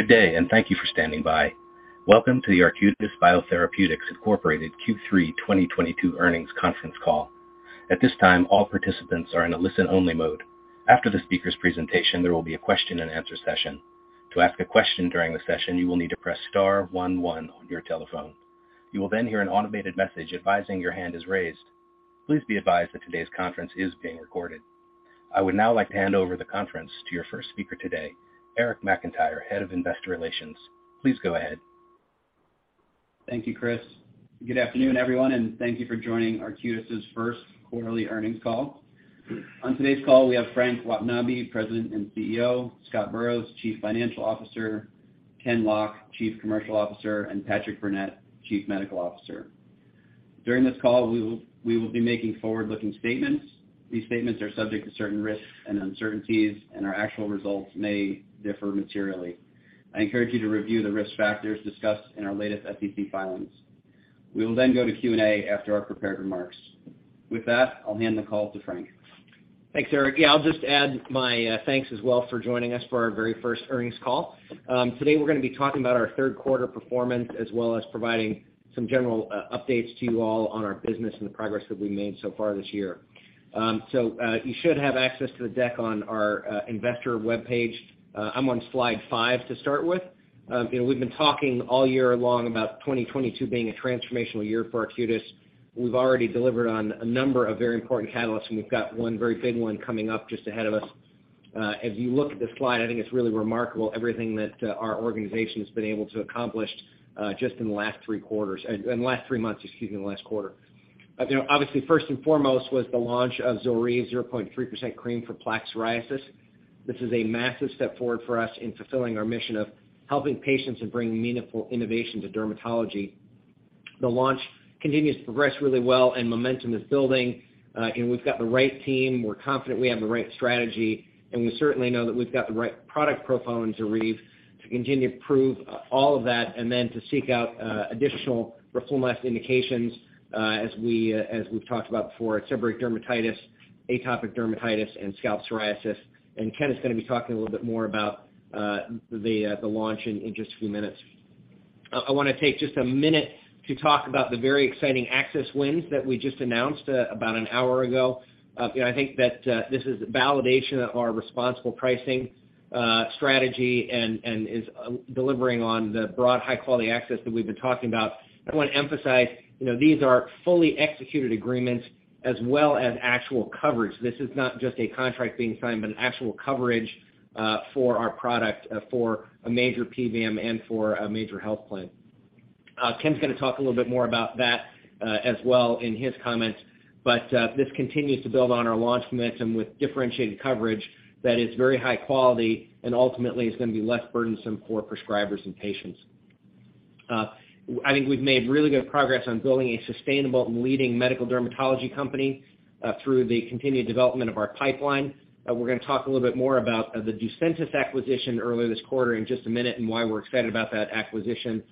Good day, and thank you for standing by. Welcome to the Arcutis Biotherapeutics, Inc. Q3 2022 Earnings Conference Call. At this time, all participants are in a listen-only mode. After the speaker's presentation, there will be a question-and-answer session. To ask a question during the session, you will need to press star one one on your telephone. You will then hear an automated message advising your hand is raised. Please be advised that today's conference is being recorded. I would now like to hand over the conference to your first speaker today, Eric McIntyre, Head of Investor Relations. Please go ahead. Thank you, Chris. Good afternoon, everyone, and thank you for joining Arcutis' First Quarterly Earnings Call. On today's call, we have Frank Watanabe, President and CEO, Scott Burrows, Chief Financial Officer, Kenneth Lock, Chief Commercial Officer, and Patrick Burnett, Chief Medical Officer. During this call, we will be making forward-looking statements. These statements are subject to certain risks and uncertainties, and our actual results may differ materially. I encourage you to review the risk factors discussed in our latest SEC filings. We will then go to Q&A after our prepared remarks. With that, I'll hand the call to Frank. Thanks, Eric. Yeah, I'll just add my thanks as well for joining us for our very first earnings call. Today we're gonna be talking about our third quarter performance, as well as providing some general updates to you all on our business and the progress that we've made so far this year. You should have access to the deck on our investor webpage. I'm on slide 5 to start with. You know, we've been talking all year long about 2022 being a transformational year for Arcutis. We've already delivered on a number of very important catalysts, and we've got one very big one coming up just ahead of us. If you look at the slide, I think it's really remarkable everything that our organization's been able to accomplish, just in the last three quarters, in the last three months, excuse me, in the last quarter. You know, obviously, first and foremost was the launch of ZORYVE 0.3% cream for plaque psoriasis. This is a massive step forward for us in fulfilling our mission of helping patients and bringing meaningful innovation to dermatology. The launch continues to progress really well and momentum is building, and we've got the right team, we're confident we have the right strategy, and we certainly know that we've got the right product profile in ZORYVE to continue to prove all of that and then to seek out additional formulary indications, as we've talked about before, at seborrheic dermatitis, atopic dermatitis, and scalp psoriasis. Ken is gonna be talking a little bit more about the launch in just a few minutes. I wanna take just a minute to talk about the very exciting access wins that we just announced about an hour ago. You know, I think that this is a validation of our responsible pricing strategy and is delivering on the broad high-quality access that we've been talking about. I want to emphasize, you know, these are fully executed agreements as well as actual coverage. This is not just a contract being signed, but an actual coverage for our product for a major PBM and for a major health plan. Ken's gonna talk a little bit more about that as well in his comments. This continues to build on our launch momentum with differentiated coverage that is very high quality and ultimately is gonna be less burdensome for prescribers and patients. I think we've made really good progress on building a sustainable and leading medical dermatology company through the continued development of our pipeline. We're gonna talk a little bit more about the Ducentis acquisition earlier this quarter in just a minute and why we're excited about that acquisition.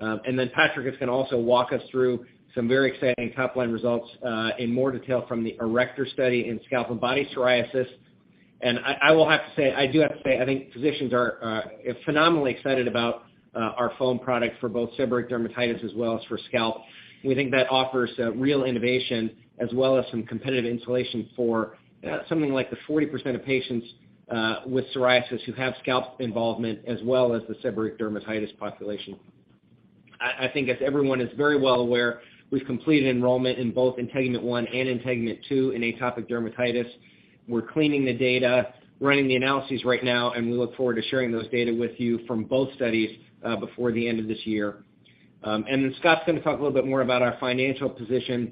Patrick is gonna also walk us through some very exciting top-line results in more detail from the ARRECTOR study in scalp and body psoriasis. I have to say, I think physicians are phenomenally excited about our foam product for both seborrheic dermatitis as well as for scalp. We think that offers real innovation as well as some competitive insulation for something like the 40% of patients with psoriasis who have scalp involvement as well as the seborrheic dermatitis population. I think as everyone is very well aware, we've completed enrollment in both INTEGUMENT-1 and INTEGUMENT-2 in atopic dermatitis. We're cleaning the data, running the analyses right now, and we look forward to sharing those data with you from both studies before the end of this year. Scott's gonna talk a little bit more about our financial position.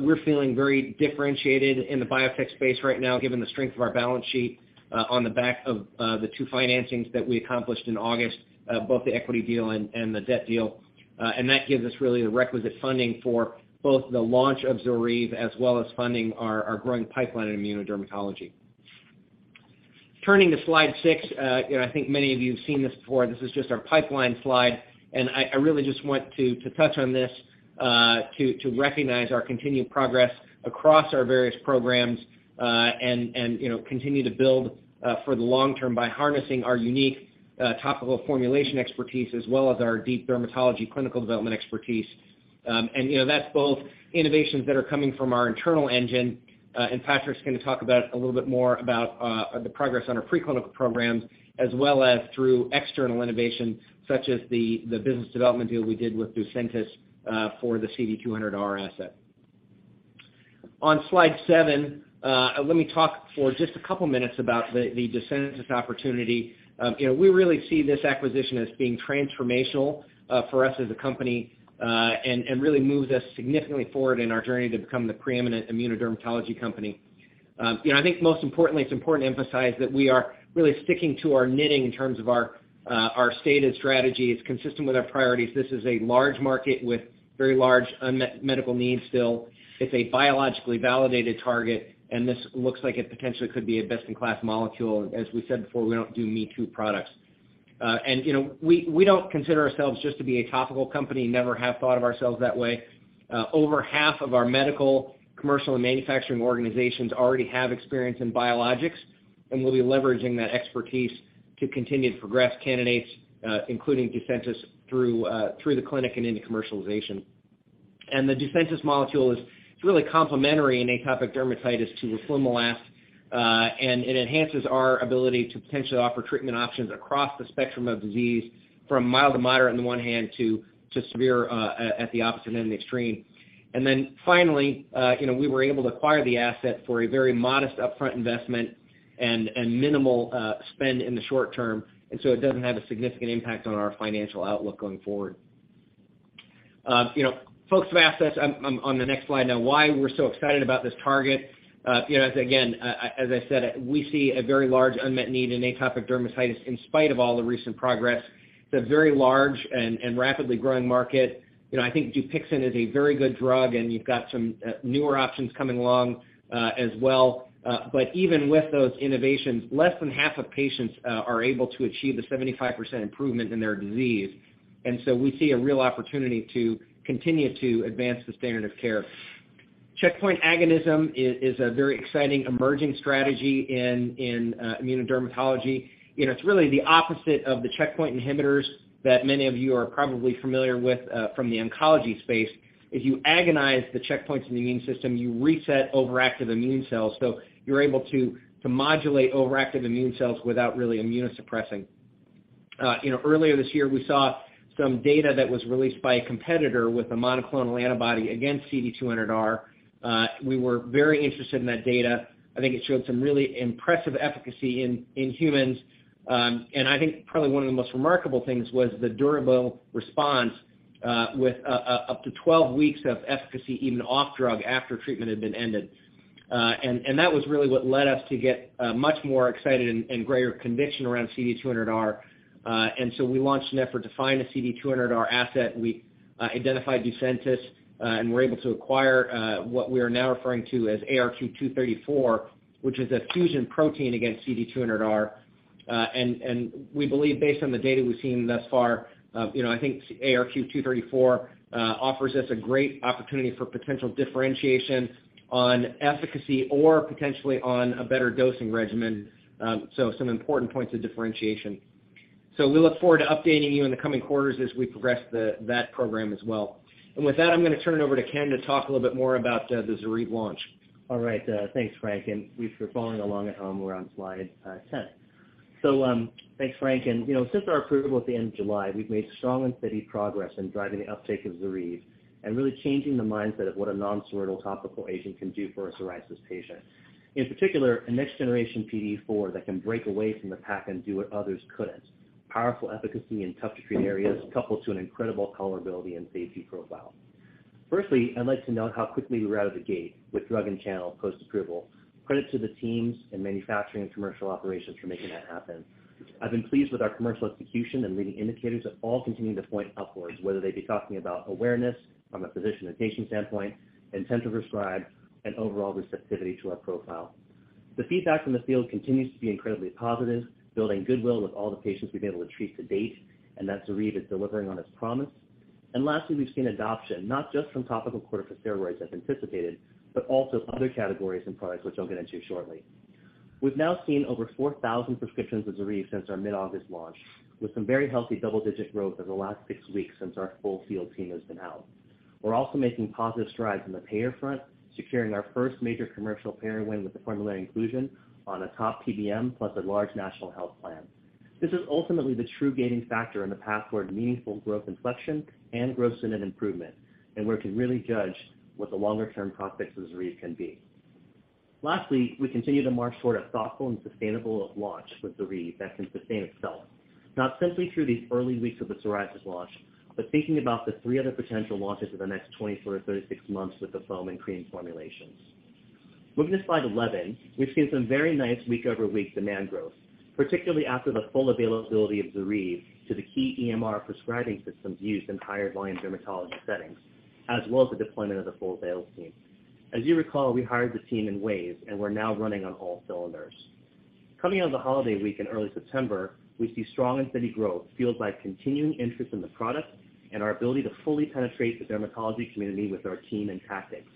We're feeling very differentiated in the biotech space right now, given the strength of our balance sheet, on the back of the two financings that we accomplished in August, both the equity deal and the debt deal. That gives us really the requisite funding for both the launch of ZORYVE as well as funding our growing pipeline in immunodermatology. Turning to slide 6, you know, I think many of you have seen this before. This is just our pipeline slide. I really just want to touch on this to recognize our continued progress across our various programs, and you know, continue to build for the long term by harnessing our unique topical formulation expertise as well as our deep dermatology clinical development expertise. You know, that's both innovations that are coming from our internal engine, and Patrick's gonna talk about a little bit more about the progress on our preclinical programs as well as through external innovation such as the business development deal we did with Ducentis for the CD200R asset. On slide seven, let me talk for just a couple minutes about the Ducentis opportunity. You know, we really see this acquisition as being transformational for us as a company, and really moves us significantly forward in our journey to become the preeminent immunodermatology company. You know, I think most importantly, it's important to emphasize that we are really sticking to our knitting in terms of our stated strategy. It's consistent with our priorities. This is a large market with very large unmet medical needs still. It's a biologically validated target, and this looks like it potentially could be a best-in-class molecule. As we said before, we don't do me-too products. You know, we don't consider ourselves just to be a topical company, never have thought of ourselves that way. Over half of our medical, commercial, and manufacturing organizations already have experience in biologics, and we'll be leveraging that expertise to continue to progress candidates, including Ducentis through the clinic and into commercialization. The Ducentis molecule is really complementary in atopic dermatitis to roflumilast, and it enhances our ability to potentially offer treatment options across the spectrum of disease from mild to moderate on the one hand to severe at the opposite end of the extreme. Finally, you know, we were able to acquire the asset for a very modest upfront investment and minimal spend in the short term. It doesn't have a significant impact on our financial outlook going forward. You know, folks have asked us on the next slide now why we're so excited about this target. You know, again, as I said, we see a very large unmet need in atopic dermatitis in spite of all the recent progress. It's a very large and rapidly growing market. You know, I think Dupixent is a very good drug, and you've got some newer options coming along as well. Even with those innovations, less than half of patients are able to achieve the 75% improvement in their disease. We see a real opportunity to continue to advance the standard of care. Checkpoint agonism is a very exciting emerging strategy in immunodermatology. You know, it's really the opposite of the checkpoint inhibitors that many of you are probably familiar with from the oncology space. If you agonize the checkpoints in the immune system, you reset overactive immune cells. You're able to modulate overactive immune cells without really immunosuppressing. You know, earlier this year, we saw some data that was released by a competitor with a monoclonal antibody against CD200R. We were very interested in that data. I think it showed some really impressive efficacy in humans. I think probably one of the most remarkable things was the durable response, with up to 12 weeks of efficacy even off drug after treatment had been ended. That was really what led us to get much more excited and greater conviction around CD200R. We launched an effort to find a CD200R asset. We identified Ducentis and were able to acquire what we are now referring to as ARQ-234, which is a fusion protein against CD200R. We believe based on the data we've seen thus far, you know, I think ARQ-234 offers us a great opportunity for potential differentiation on efficacy or potentially on a better dosing regimen. Some important points of differentiation. We look forward to updating you in the coming quarters as we progress that program as well. With that, I'm gonna turn it over to Ken to talk a little bit more about the ZORYVE launch. All right, thanks, Frank, for following along at home, we're on slide 10. Thanks, Frank. You know, since our approval at the end of July, we've made strong and steady progress in driving the uptake of ZORYVE and really changing the mindset of what a non-steroid topical agent can do for a psoriasis patient. In particular, a next-generation PDE4 that can break away from the pack and do what others couldn't, powerful efficacy in tough-to-treat areas coupled to an incredible tolerability and safety profile. Firstly, I'd like to note how quickly we were out of the gate with distribution and channel post-approval. Credit to the teams in manufacturing and commercial operations for making that happen. I've been pleased with our commercial execution and leading indicators that all continue to point upwards, whether they be talking about awareness from a physician and patient standpoint, intent to prescribe, and overall receptivity to our profile. The feedback from the field continues to be incredibly positive, building goodwill with all the patients we've been able to treat to date, and that ZORYVE is delivering on its promise. Lastly, we've seen adoption, not just from topical corticosteroids as anticipated, but also other categories and products, which I'll get into shortly. We've now seen over 4,000 prescriptions of ZORYVE since our mid-August launch, with some very healthy double-digit growth over the last six weeks since our full field team has been out. We're also making positive strides on the payer front, securing our first major commercial payer win with the formulary inclusion on a top PBM plus a large national health plan. This is ultimately the true gating factor in the path toward meaningful growth inflection and gross sentiment improvement, and where we can really judge what the longer-term prospects of ZORYVE can be. Lastly, we continue to march toward a thoughtful and sustainable launch with ZORYVE that can sustain itself, not simply through these early weeks of the psoriasis launch, but thinking about the three other potential launches in the next 24-36 months with the foam and cream formulations. Moving to slide 11, we've seen some very nice week-over-week demand growth, particularly after the full availability of ZORYVE to the key EMR prescribing systems used in higher volume dermatology settings, as well as the deployment of the full sales team. As you recall, we hired the team in waves, and we're now running on all cylinders. Coming out of the holiday week in early September, we see strong and steady growth fueled by continuing interest in the product and our ability to fully penetrate the dermatology community with our team and tactics.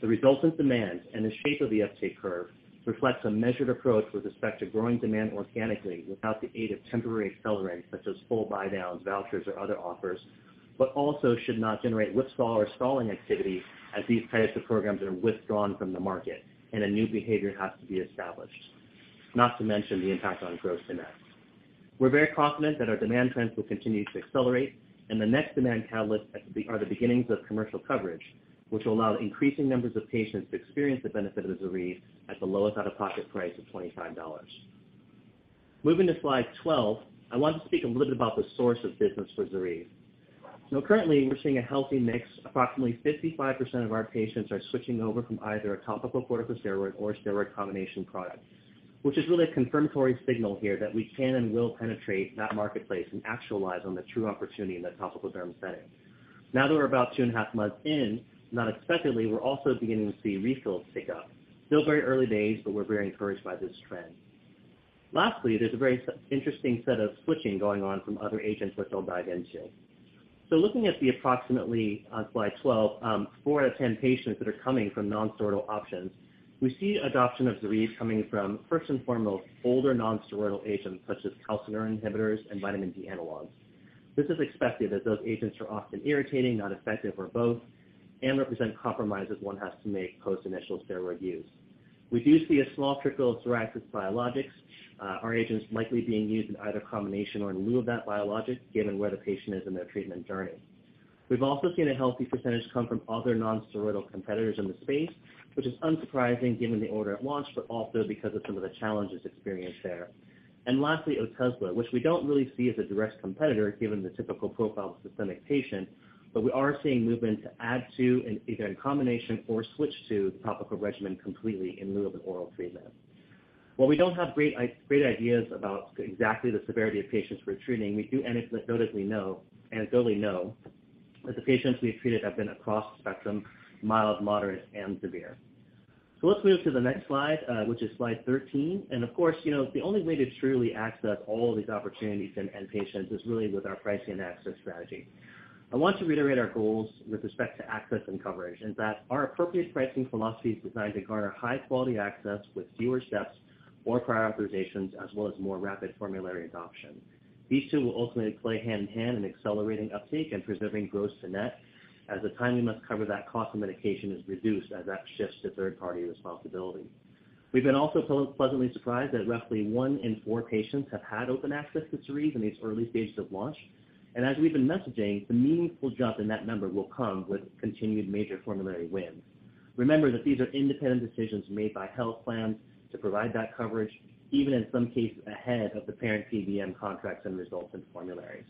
The resultant demand and the shape of the uptake curve reflects a measured approach with respect to growing demand organically without the aid of temporary accelerants such as full buy-downs, vouchers, or other offers, but also should not generate withdrawal or stalling activity as these types of programs are withdrawn from the market and a new behavior has to be established, not to mention the impact on gross-to-net. We're very confident that our demand trends will continue to accelerate, and the next demand catalyst are the beginnings of commercial coverage, which will allow increasing numbers of patients to experience the benefit of ZORYVE at the lowest out-of-pocket price of $25. Moving to slide 12, I want to speak a little bit about the source of business for ZORYVE. Now currently, we're seeing a healthy mix. Approximately 55% of our patients are switching over from either a topical corticosteroid or a steroid combination product, which is really a confirmatory signal here that we can and will penetrate that marketplace and actualize on the true opportunity in the topical derm setting. Now that we're about two and a half months in, not unexpectedly, we're also beginning to see refills pick up. Still very early days, but we're very encouraged by this trend. Lastly, there's a very interesting set of switching going on from other agents, which I'll dive into. Looking at approximately, on slide 12, four out of 10 patients that are coming from nonsteroidal options, we see adoption of ZORYVE coming from, first and foremost, older nonsteroidal agents such as calcineurin inhibitors and vitamin D analogs. This is expected as those agents are often irritating, non-effective or both, and represent compromises one has to make post initial steroid use. We do see a small trickle of psoriasis biologics, our agents likely being used in either combination or in lieu of that biologic given where the patient is in their treatment journey. We've also seen a healthy percentage come from other nonsteroidal competitors in the space, which is unsurprising given the order at launch, but also because of some of the challenges experienced there. Lastly, Otezla, which we don't really see as a direct competitor given the typical profile of systemic patient, but we are seeing movement to add to in either combination or switch to the topical regimen completely in lieu of an oral treatment. While we don't have great ideas about exactly the severity of patients we're treating, we do anecdotally know that the patients we've treated have been across the spectrum, mild, moderate and severe. Let's move to the next slide, which is slide 13. Of course, you know, the only way to truly access all these opportunities and patients is really with our pricing and access strategy. I want to reiterate our goals with respect to access and coverage, and that our appropriate pricing philosophy is designed to garner high-quality access with fewer steps or prior authorizations, as well as more rapid formulary adoption. These two will ultimately play hand in hand in accelerating uptake and preserving gross-to-net as the time patients must cover that cost of medication is reduced as that shifts to third-party responsibility. We've been also pleasantly surprised that roughly one in four patients have had open access to ZORYVE in these early stages of launch. As we've been messaging, the meaningful jump in that number will come with continued major formulary wins. Remember that these are independent decisions made by health plans to provide that coverage, even in some cases ahead of the parent PBM contracts and resultant formularies.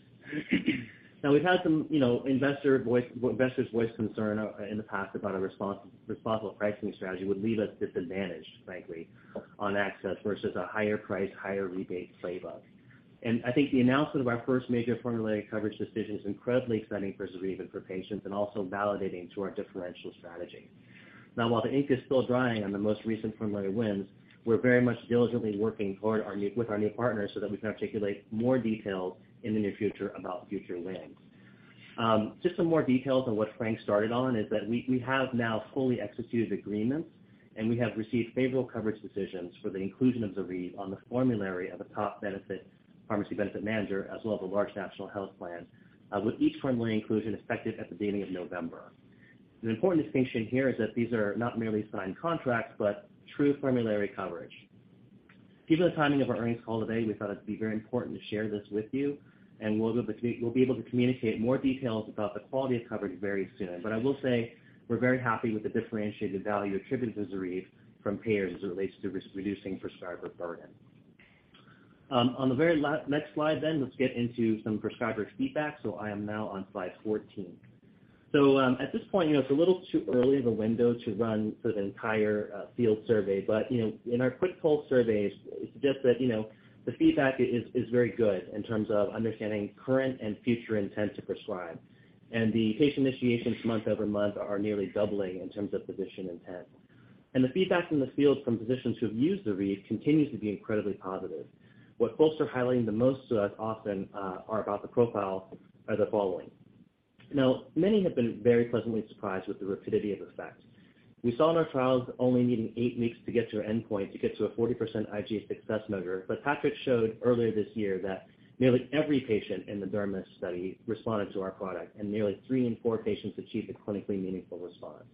Now, we've had some, you know, investors voice concern in the past about a responsible pricing strategy would leave us disadvantaged, frankly, on access versus a higher price, higher rebate playbook. I think the announcement of our first major formulary coverage decision is incredibly exciting for ZORYVE and for patients and also validating to our differential strategy. Now while the ink is still drying on the most recent formulary wins, we're very much diligently working toward with our new partners so that we can articulate more details in the near future about future wins. Just some more details on what Frank started on is that we have now fully executed agreements, and we have received favorable coverage decisions for the inclusion of ZORYVE on the formulary of a top pharmacy benefit manager as well as a large national health plan, with each formulary inclusion effective at the beginning of November. An important distinction here is that these are not merely signed contracts, but true formulary coverage. Given the timing of our earnings call today, we thought it'd be very important to share this with you, and we'll be able to communicate more details about the quality of coverage very soon. I will say we're very happy with the differentiated value attributed to ZORYVE from payers as it relates to risk reducing prescriber burden. On the very next slide then, let's get into some prescriber feedback. I am now on slide 14. At this point, you know, it's a little too early in the window to run sort of the entire field survey. You know, in our quick poll surveys, it suggests that, you know, the feedback is very good in terms of understanding current and future intent to prescribe. The patient initiations month-over-month are nearly doubling in terms of physician intent. The feedback from the field from physicians who have used ZORYVE continues to be incredibly positive. What folks are highlighting the most to us often are about the profile are the following. Now, many have been very pleasantly surprised with the rapidity of effect. We saw in our trials only needing eight weeks to get to our endpoint to get to a 40% IGA success measure. Patrick showed earlier this year that nearly every patient in the DERMIS study responded to our product, and nearly three in four patients achieved a clinically meaningful response.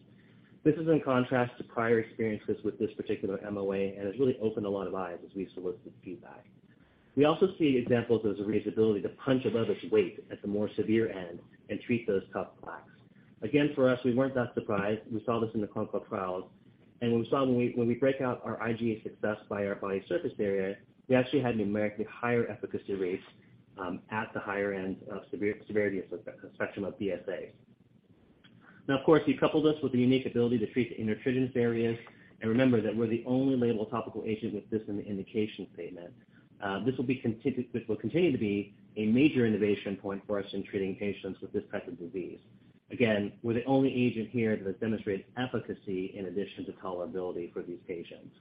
This is in contrast to prior experiences with this particular MOA, and has really opened a lot of eyes as we've solicited feedback. We also see examples of ZORYVE's ability to punch above its weight at the more severe end and treat those tough plaques. Again, for us, we weren't that surprised. We saw this in the clinical trials, and we saw when we break out our IGA success by our body surface area, we actually had numerically higher efficacy rates at the higher end of severity aspect spectrum of BSA. Now of course, you couple this with the unique ability to treat the intertriginous areas, and remember that we're the only labeled topical agent with this in the indication statement. This will continue to be a major innovation point for us in treating patients with this type of disease. Again, we're the only agent here that has demonstrated efficacy in addition to tolerability for these patients.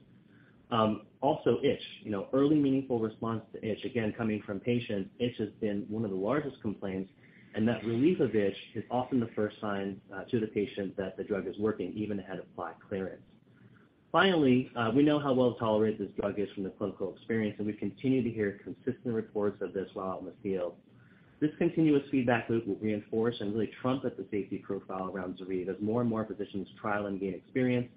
Also itch. You know, early meaningful response to itch, again, coming from patients, itch has been one of the largest complaints, and that relief of itch is often the first sign to the patient that the drug is working even ahead of plaque clearance. Finally, we know how well-tolerated this drug is from the clinical experience, and we continue to hear consistent reports of this while out in the field. This continuous feedback loop will reinforce and really trumpet the safety profile around ZORYVE as more and more physicians trial and gain experience,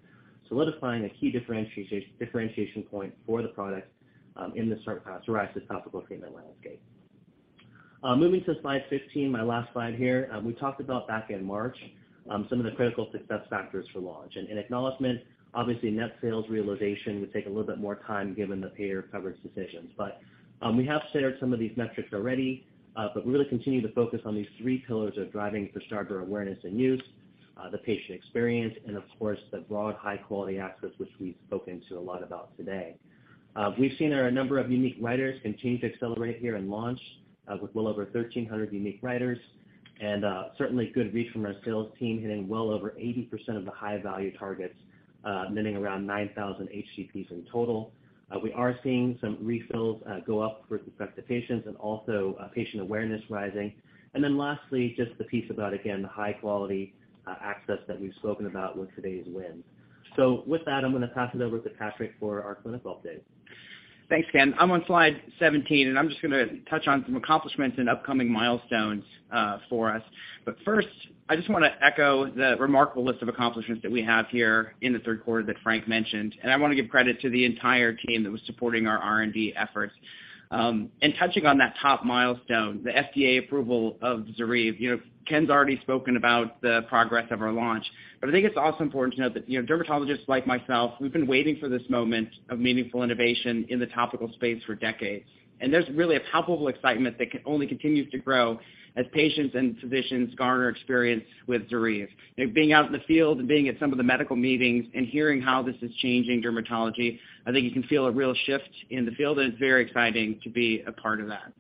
solidifying a key differentiation point for the product in the psoriasis topical treatment landscape. Moving to slide 15, my last slide here. We talked about back in March some of the critical success factors for launch. In acknowledgment, obviously net sales realization would take a little bit more time given the payer coverage decisions. We have shared some of these metrics already, but we really continue to focus on these three pillars of driving prescriber awareness and use, the patient experience and of course, the broad high-quality access which we've spoken to a lot about today. We've seen our number of unique writers continue to accelerate here in launch, with well over 1,300 unique writers. Certainly good reach from our sales team hitting well over 80% of the high-value targets, meaning around 9,000 HCPs in total. We are seeing some refills go up for affected patients and also, patient awareness rising. Then lastly, just the piece about, again, the high-quality access that we've spoken about with today's win. With that, I'm going to pass it over to Patrick for our clinical update. Thanks, Ken. I'm on slide 17, and I'm just gonna touch on some accomplishments and upcoming milestones for us. First, I just want to echo the remarkable list of accomplishments that we have here in the third quarter that Frank mentioned. I want to give credit to the entire team that was supporting our R&D efforts. Touching on that top milestone, the FDA approval of ZORYVE, you know, Ken's already spoken about the progress of our launch. I think it's also important to note that, you know, dermatologists like myself, we've been waiting for this moment of meaningful innovation in the topical space for decades. There's really a palpable excitement that can only continues to grow as patients and physicians garner experience with ZORYVE. You know, being out in the field and being at some of the medical meetings and hearing how this is changing dermatology, I think you can feel a real shift in the field, and it's very exciting to be a part of that.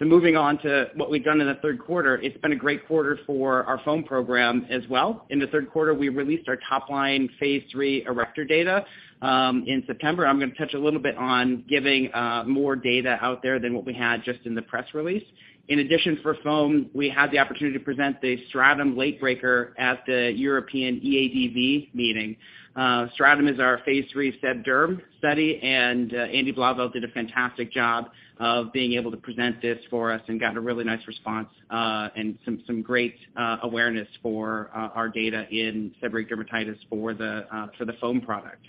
Moving on to what we've done in the third quarter, it's been a great quarter for our foam program as well. In the third quarter, we released our top-line Phase 3 ARRECTOR data in September. I'm going to touch a little bit on giving more data out there than what we had just in the press release. In addition, for foam, we had the opportunity to present the STRATUM late breaker at the European EADV meeting. STRATUM is our Phase 3 SEB derm study, and Andy Blauvelt did a fantastic job of being able to present this for us and got a really nice response, and some great awareness for our data in seborrheic dermatitis for the foam product.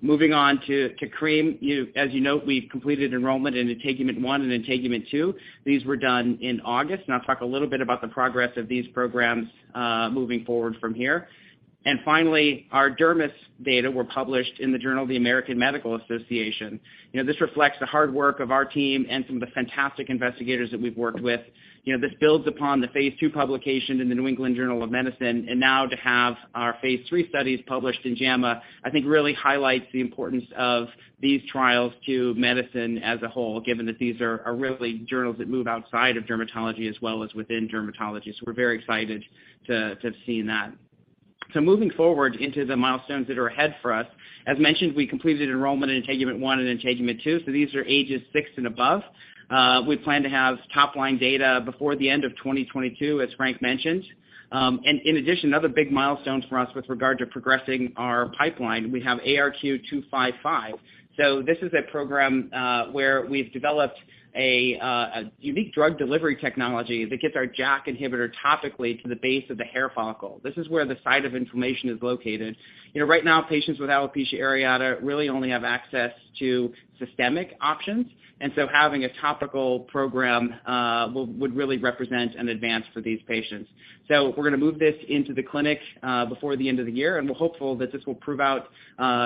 Moving on to cream, as you note, we've completed enrollment in INTEGUMENT-1 and INTEGUMENT-2. These were done in August, and I'll talk a little bit about the progress of these programs moving forward from here. Finally, our DERMIS data were published in the Journal of the American Medical Association. You know, this reflects the hard work of our team and some of the fantastic investigators that we've worked with. You know, this builds upon the phase 2 publication in the New England Journal of Medicine, and now to have our phase 3 studies published in JAMA, I think really highlights the importance of these trials to medicine as a whole, given that these are really journals that move outside of dermatology as well as within dermatology. We're very excited to have seen that. Moving forward into the milestones that are ahead for us. As mentioned, we completed enrollment in INTEGUMENT-1 and INTEGUMENT-2. These are ages 6 and above. We plan to have top-line data before the end of 2022, as Frank mentioned. In addition, another big milestone for us with regard to progressing our pipeline, we have ARQ-255. This is a program where we've developed a unique drug delivery technology that gets our JAK inhibitor topically to the base of the hair follicle. This is where the site of inflammation is located. You know, right now, patients with alopecia areata really only have access to systemic options, and so having a topical program would really represent an advance for these patients. We're going to move this into the clinic before the end of the year, and we're hopeful that this will prove out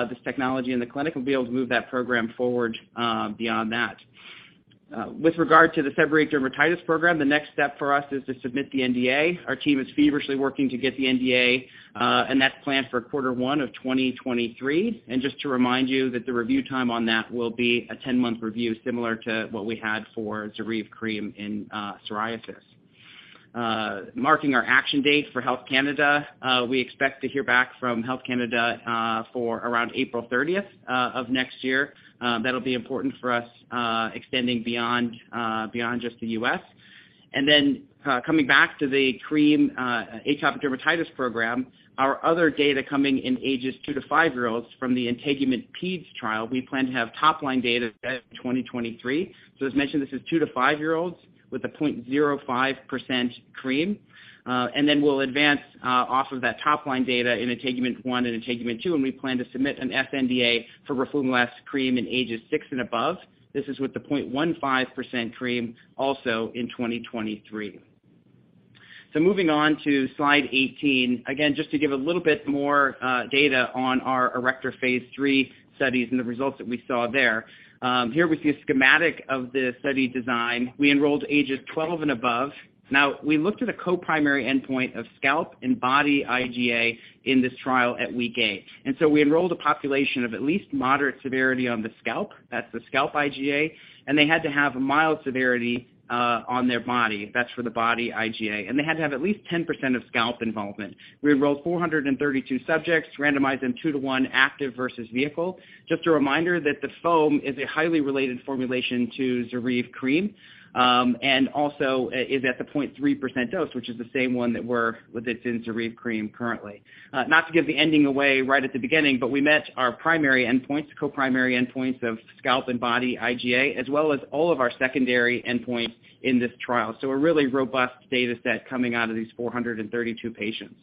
this technology in the clinic. We'll be able to move that program forward beyond that. With regard to the seborrheic dermatitis program, the next step for us is to submit the NDA. Our team is feverishly working to get the NDA, and that's planned for quarter one of 2023. Just to remind you that the review time on that will be a 10-month review similar to what we had for ZORYVE cream in psoriasis. Marking our action date for Health Canada, we expect to hear back from Health Canada for around April 30th of next year. That'll be important for us, extending beyond just the US. Then, coming back to the cream, atopic dermatitis program, our other data coming in ages 2 to 5-year-olds from the INTEGUMENT-PED trial, we plan to have top line data by 2023. As mentioned, this is 2 to 5-year-olds with a 0.05% cream. Then we'll advance off of that top line data in INTEGUMENT-1 and INTEGUMENT-2, and we plan to submit an sNDA for roflumilast cream in ages 6 and above. This is with the 0.15% cream also in 2023. Moving on to slide 18. Again, just to give a little bit more data on our ARRECTOR Phase 3 studies and the results that we saw there. Here we see a schematic of the study design. We enrolled ages 12 and above. We looked at a co-primary endpoint of scalp and body IGA in this trial at week 8. We enrolled a population of at least moderate severity on the scalp, that's the scalp IGA, and they had to have a mild severity on their body. That's for the body IGA. They had to have at least 10% of scalp involvement. We enrolled 432 subjects, randomized them 2 to 1 active versus vehicle. Just a reminder that the foam is a highly related formulation to ZORYVE cream, and also is at the 0.3% dose, which is the same one that's in ZORYVE cream currently. Not to give the ending away right at the beginning, but we met our primary endpoints, co-primary endpoints of scalp and body IGA, as well as all of our secondary endpoints in this trial. A really robust data set coming out of these 432 patients.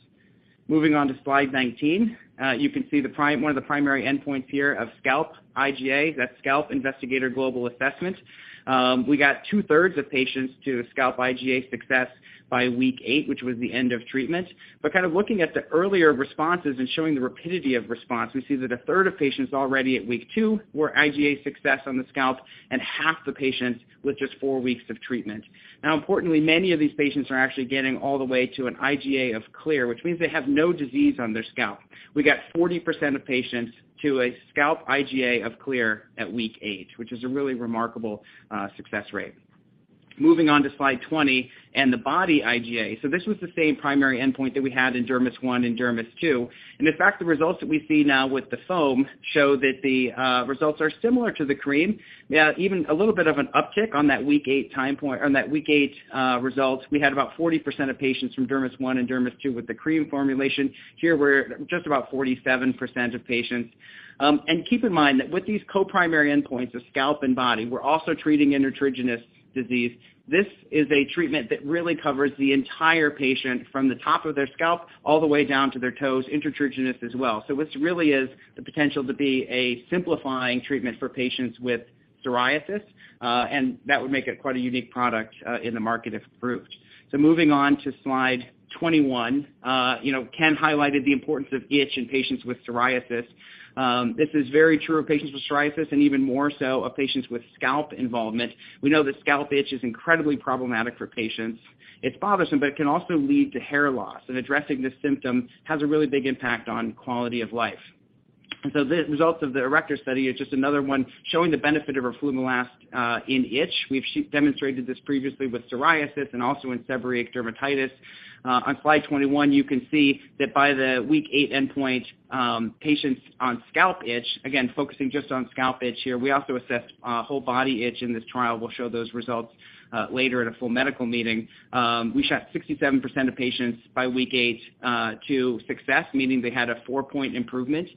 Moving on to slide 19. You can see one of the primary endpoints here of scalp IGA. That's scalp investigator global assessment. We got two-thirds of patients to scalp IGA success by week 8, which was the end of treatment. Kind of looking at the earlier responses and showing the rapidity of response, we see that a third of patients already at week 2 were IGA success on the scalp and half the patients with just 4 weeks of treatment. Now, importantly, many of these patients are actually getting all the way to an IGA of clear, which means they have no disease on their scalp. We got 40% of patients to a scalp IGA of clear at week 8, which is a really remarkable success rate. Moving on to slide 20 and the body IGA. So this was the same primary endpoint that we had in DERMIS-1 and DERMIS-2. In fact, the results that we see now with the foam show that the results are similar to the cream. We have even a little bit of an uptick on that week 8 timepoint results. We had about 40% of patients from DERMIS-1 and DERMIS-2 with the cream formulation. Here, we're just about 47% of patients. And keep in mind that with these co-primary endpoints of scalp and body, we're also treating intertriginous disease. This is a treatment that really covers the entire patient from the top of their scalp all the way down to their toes, intertriginous as well. This really is the potential to be a simplifying treatment for patients with psoriasis, and that would make it quite a unique product in the market if approved. Moving on to slide 21. You know, Ken highlighted the importance of itch in patients with psoriasis. This is very true of patients with psoriasis and even more so of patients with scalp involvement. We know that scalp itch is incredibly problematic for patients. It's bothersome, but it can also lead to hair loss, and addressing this symptom has a really big impact on quality of life. The results of the ARRECTOR study is just another one showing the benefit of roflumilast in itch. We've demonstrated this previously with psoriasis and also in seborrheic dermatitis. On slide 21, you can see that by the week 8 endpoint, patients on scalp itch, again, focusing just on scalp itch here, we also assessed whole body itch in this trial. We'll show those results later in a full medical meeting. We shot 67% of patients by week 8 to success, meaning they had a four-point improvement,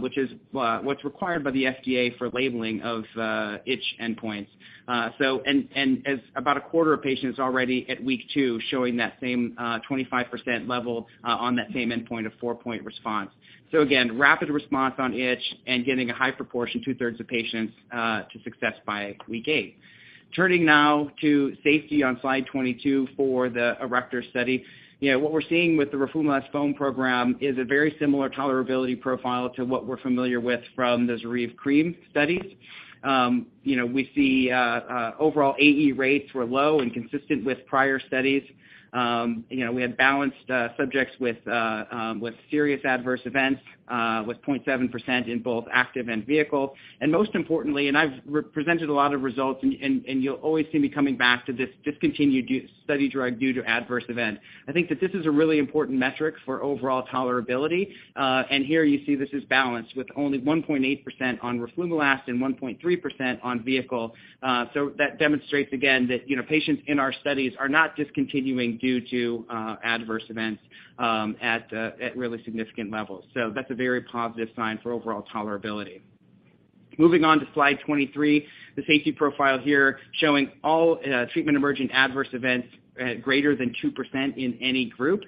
which is, well, what's required by the FDA for labeling of itch endpoints. And as about a quarter of patients already at week 2 showing that same 25% level on that same endpoint, a four-point response. Again, rapid response on itch and getting a high proportion, two-thirds of patients, to success by week 8. Turning now to safety on slide 22 for the ARRECTOR study. You know, what we're seeing with the roflumilast foam program is a very similar tolerability profile to what we're familiar with from the ZORYVE cream studies. You know, we see overall AE rates were low and consistent with prior studies. You know, we had balanced subjects with serious adverse events with 0.7% in both active and vehicle. Most importantly, I've presented a lot of results and you'll always see me coming back to this discontinued study drug due to adverse event. I think that this is a really important metric for overall tolerability. Here you see this is balanced with only 1.8% on roflumilast and 1.3% on vehicle. That demonstrates again that, you know, patients in our studies are not discontinuing due to adverse events at really significant levels. That's a very positive sign for overall tolerability. Moving on to slide 23, the safety profile here showing all treatment-emergent adverse events at greater than 2% in any group.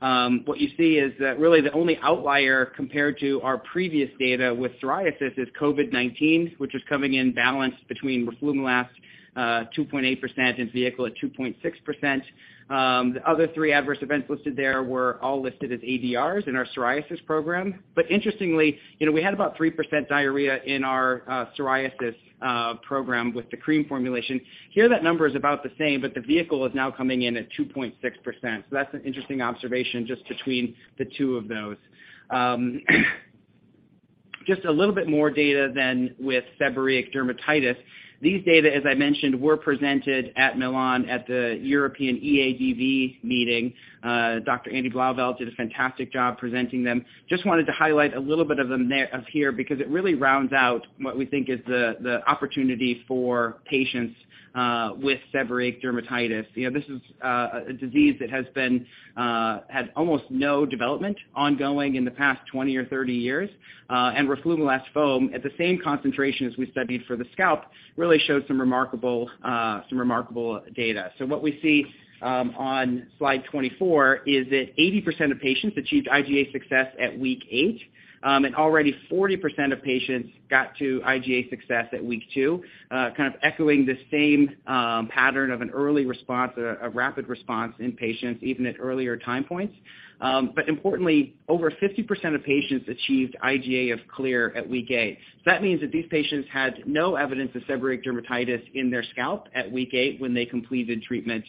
What you see is that really the only outlier compared to our previous data with psoriasis is COVID-19, which is coming in balanced between roflumilast, 2.8%, and vehicle at 2.6%. The other three adverse events listed there were all listed as ADRs in our psoriasis program. Interestingly, you know, we had about 3% diarrhea in our psoriasis program with the cream formulation. Here, that number is about the same, but the vehicle is now coming in at 2.6%. That's an interesting observation just between the two of those. Just a little bit more data then with seborrheic dermatitis. These data, as I mentioned, were presented at Milan at the European EADV meeting. Dr. Andy Blauvelt did a fantastic job presenting them. Just wanted to highlight a little bit of it here because it really rounds out what we think is the opportunity for patients with seborrheic dermatitis. You know, this is a disease that has almost no development ongoing in the past 20 or 30 years. Roflumilast foam at the same concentration as we studied for the scalp really showed some remarkable data. What we see on slide 24 is that 80% of patients achieved IGA success at week 8. Already 40% of patients got to IGA success at week 2, kind of echoing the same pattern of an early response, a rapid response in patients even at earlier time points. Importantly, over 50% of patients achieved IGA of clear at week 8. That means that these patients had no evidence of seborrheic dermatitis in their scalp at week 8 when they completed treatment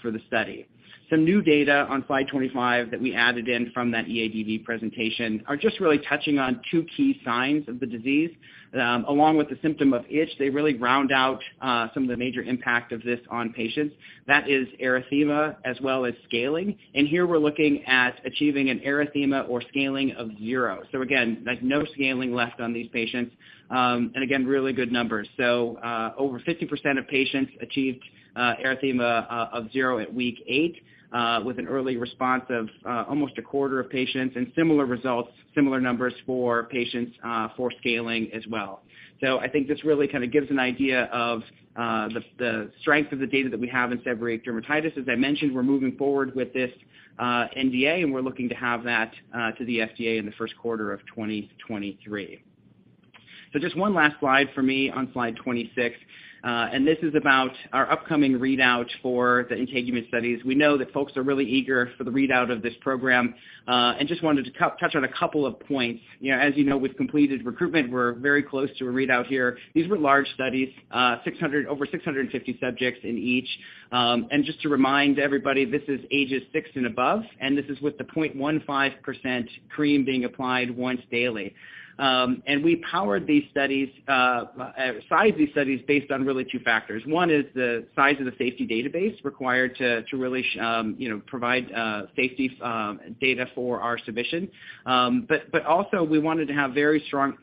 for the study. Some new data on slide 25 that we added in from that EADV presentation are just really touching on two key signs of the disease. Along with the symptom of itch, they really round out some of the major impact of this on patients. That is erythema as well as scaling. Here we're looking at achieving an erythema or scaling of zero. Again, like no scaling left on these patients. Again, really good numbers. Over 50% of patients achieved erythema of zero at week 8 with an early response of almost a quarter of patients, and similar results, similar numbers for patients for scaling as well. I think this really kind of gives an idea of the strength of the data that we have in seborrheic dermatitis. As I mentioned, we're moving forward with this NDA, and we're looking to have that to the FDA in the first quarter of 2023. Just one last slide for me on slide 26. This is about our upcoming readout for the INTEGUMENT studies. We know that folks are really eager for the readout of this program, and just wanted to touch on a couple of points. You know, as you know, with completed recruitment, we're very close to a readout here. These were large studies, over 650 subjects in each. Just to remind everybody, this is ages six and above, and this is with the 0.15% cream being applied once daily. We powered these studies, sized these studies based on really two factors. One is the size of the safety database required to really, you know, provide safety data for our submission. But also we wanted to have very strong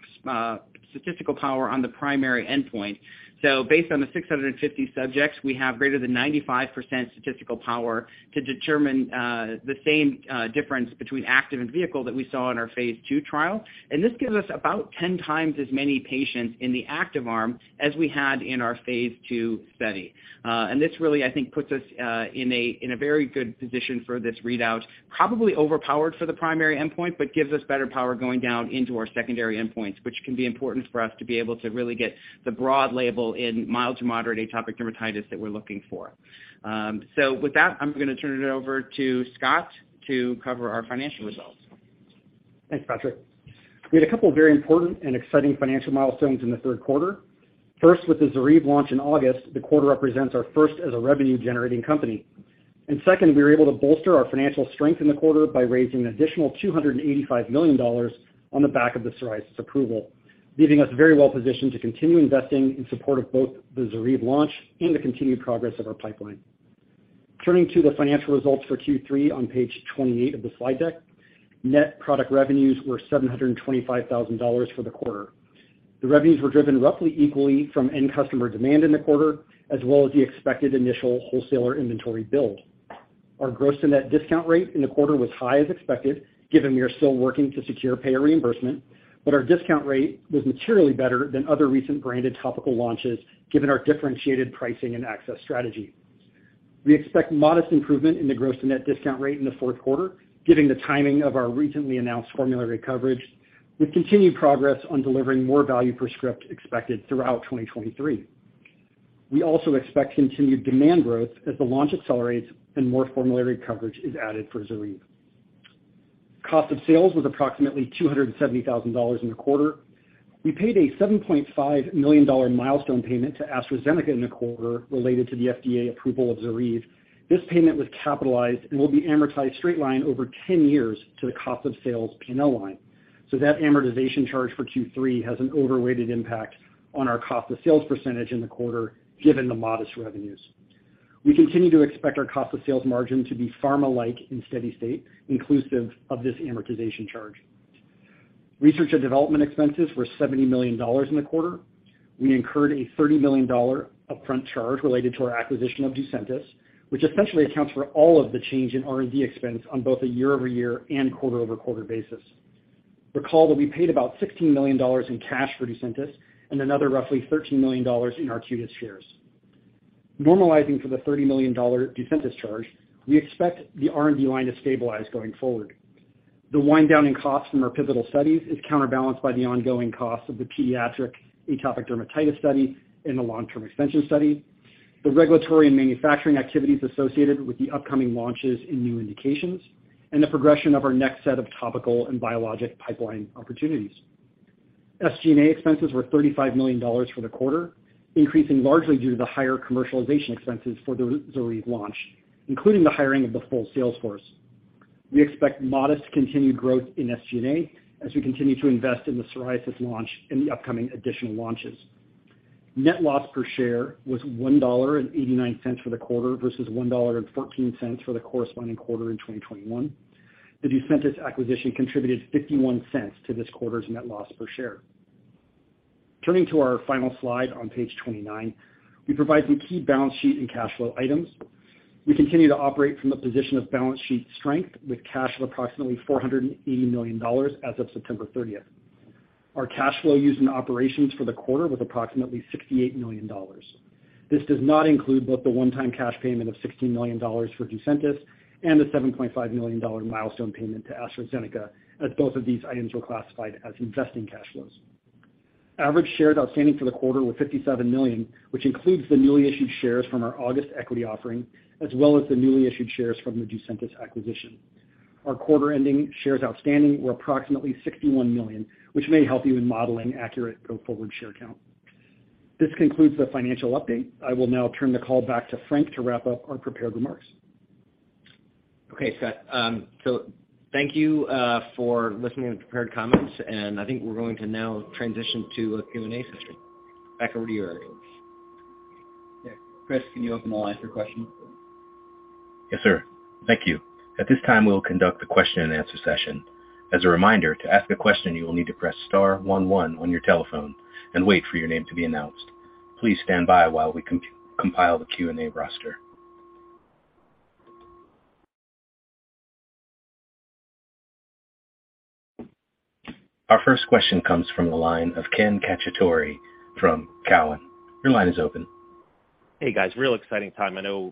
statistical power on the primary endpoint. Based on the 650 subjects, we have greater than 95% statistical power to determine the same difference between active and vehicle that we saw in our phase 2 trial. This gives us about 10 times as many patients in the active arm as we had in our phase 2 study. This really, I think, puts us in a, in a very good position for this readout, probably overpowered for the primary endpoint, but gives us better power going down into our secondary endpoints, which can be important for us to be able to really get the broad label in mild to moderate atopic dermatitis that we're looking for. With that, I'm gonna turn it over to Scott to cover our financial results. Thanks, Patrick. We had a couple of very important and exciting financial milestones in the third quarter. First, with the ZORYVE launch in August, the quarter represents our first as a revenue-generating company. Second, we were able to bolster our financial strength in the quarter by raising an additional $285 million on the back of the psoriasis approval, leaving us very well positioned to continue investing in support of both the ZORYVE launch and the continued progress of our pipeline. Turning to the financial results for Q3 on page 28 of the slide deck. Net product revenues were $725,000 for the quarter. The revenues were driven roughly equally from end customer demand in the quarter, as well as the expected initial wholesaler inventory build. Our gross and net discount rate in the quarter was high as expected, given we are still working to secure payer reimbursement, but our discount rate was materially better than other recent branded topical launches, given our differentiated pricing and access strategy. We expect modest improvement in the gross and net discount rate in the fourth quarter, given the timing of our recently announced formulary coverage, with continued progress on delivering more value per script expected throughout 2023. We also expect continued demand growth as the launch accelerates and more formulary coverage is added for ZORYVE. Cost of sales was approximately $270,000 in the quarter. We paid a $7.5 million milestone payment to AstraZeneca in the quarter related to the FDA approval of ZORYVE. This payment was capitalized and will be amortized straight line over 10 years to the cost of sales P&L line. That amortization charge for Q3 has an overrated impact on our cost of sales percentage in the quarter, given the modest revenues. We continue to expect our cost of sales margin to be pharma-like in steady state, inclusive of this amortization charge. Research and development expenses were $70 million in the quarter. We incurred a $30 million upfront charge related to our acquisition of Ducentis, which essentially accounts for all of the change in R&D expense on both a year-over-year and quarter-over-quarter basis. Recall that we paid about $16 million in cash for Ducentis and another roughly $13 million in Arcutis shares. Normalizing for the $30 million Ducentis charge, we expect the R&D line to stabilize going forward. The wind down in costs from our pivotal studies is counterbalanced by the ongoing costs of the pediatric atopic dermatitis study and the long-term extension study, the regulatory and manufacturing activities associated with the upcoming launches in new indications, and the progression of our next set of topical and biologic pipeline opportunities. SG&A expenses were $35 million for the quarter, increasing largely due to the higher commercialization expenses for the ZORYVE launch, including the hiring of the full sales force. We expect modest continued growth in SG&A as we continue to invest in the psoriasis launch and the upcoming additional launches. Net loss per share was $1.89 for the quarter versus $1.14 for the corresponding quarter in 2021. The Ducentis acquisition contributed $0.51 to this quarter's net loss per share. Turning to our final slide on page 29, we provide some key balance sheet and cash flow items. We continue to operate from a position of balance sheet strength with cash of approximately $480 million as of September 30. Our cash flow used in operations for the quarter was approximately $68 million. This does not include both the one-time cash payment of $16 million for Ducentis and the $7.5 million milestone payment to AstraZeneca, as both of these items were classified as investing cash flows. Average shares outstanding for the quarter were 57 million, which includes the newly issued shares from our August equity offering, as well as the newly issued shares from the Ducentis acquisition. Our quarter-ending shares outstanding were approximately 61 million, which may help you in modeling accurate go forward share count. This concludes the financial update. I will now turn the call back to Frank to wrap up our prepared remarks. Okay, Scott. Thank you for listening to the prepared comments, and I think we're going to now transition to a Q&A session. Back over to you, Eric. Yeah. Chris, can you open the line for questions, please? Yes, sir. Thank you. At this time, we will conduct the question and answer session. As a reminder, to ask a question, you will need to press star one one on your telephone and wait for your name to be announced. Please stand by while we compile the Q&A roster. Our first question comes from the line of Ken Cacciatore from Cowen. Your line is open. Hey guys, real exciting time. I know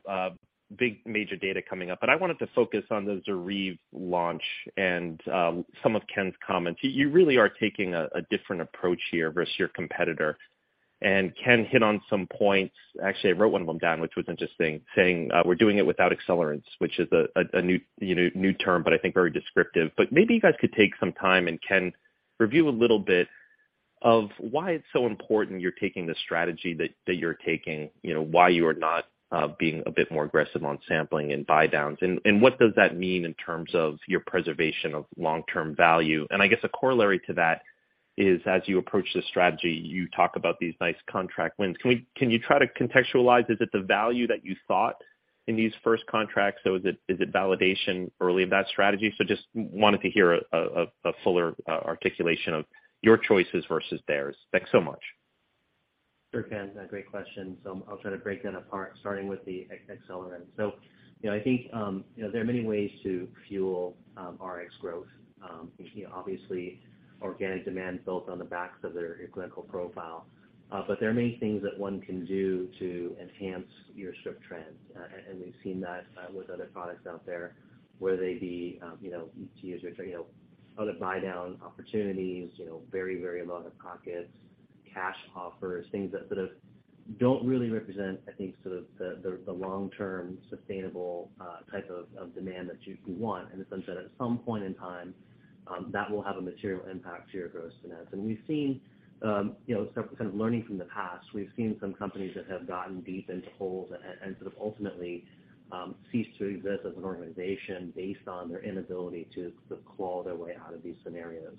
big major data coming up, but I wanted to focus on the ZORYVE launch and some of Ken's comments. You really are taking a different approach here versus your competitor. Ken hit on some points. Actually, I wrote one of them down, which was interesting, saying we're doing it without accelerants, which is a new, you know, new term, but I think very descriptive. Maybe you guys could take some time, and Ken, review a little bit of why it's so important you're taking the strategy that you're taking, you know, why you are not being a bit more aggressive on sampling and buy downs, and what does that mean in terms of your preservation of long-term value? I guess a corollary to that is, as you approach the strategy, you talk about these nice contract wins. Can you try to contextualize, is it the value that you thought in these first contracts, so is it validation early in that strategy? Just wanted to hear a fuller articulation of your choices versus theirs. Thanks so much. Sure can. Great question. I'll try to break that apart, starting with the accelerant. You know, I think, you know, there are many ways to fuel RX growth. You know, obviously, organic demand built on the backs of their clinical profile. There are many things that one can do to enhance your script trends. We've seen that with other products out there, whether they be, you know, to use your other buy-down opportunities, you know, very, very low out-of-pocket, cash offers, things that sort of don't really represent, I think, sort of the long-term sustainable type of demand that you want. In some sense, at some point in time, that will have a material impact to your gross-to-net. We've seen, you know, sort of, kind of learning from the past, we've seen some companies that have gotten deep into holes and sort of ultimately ceased to exist as an organization based on their inability to sort of claw their way out of these scenarios.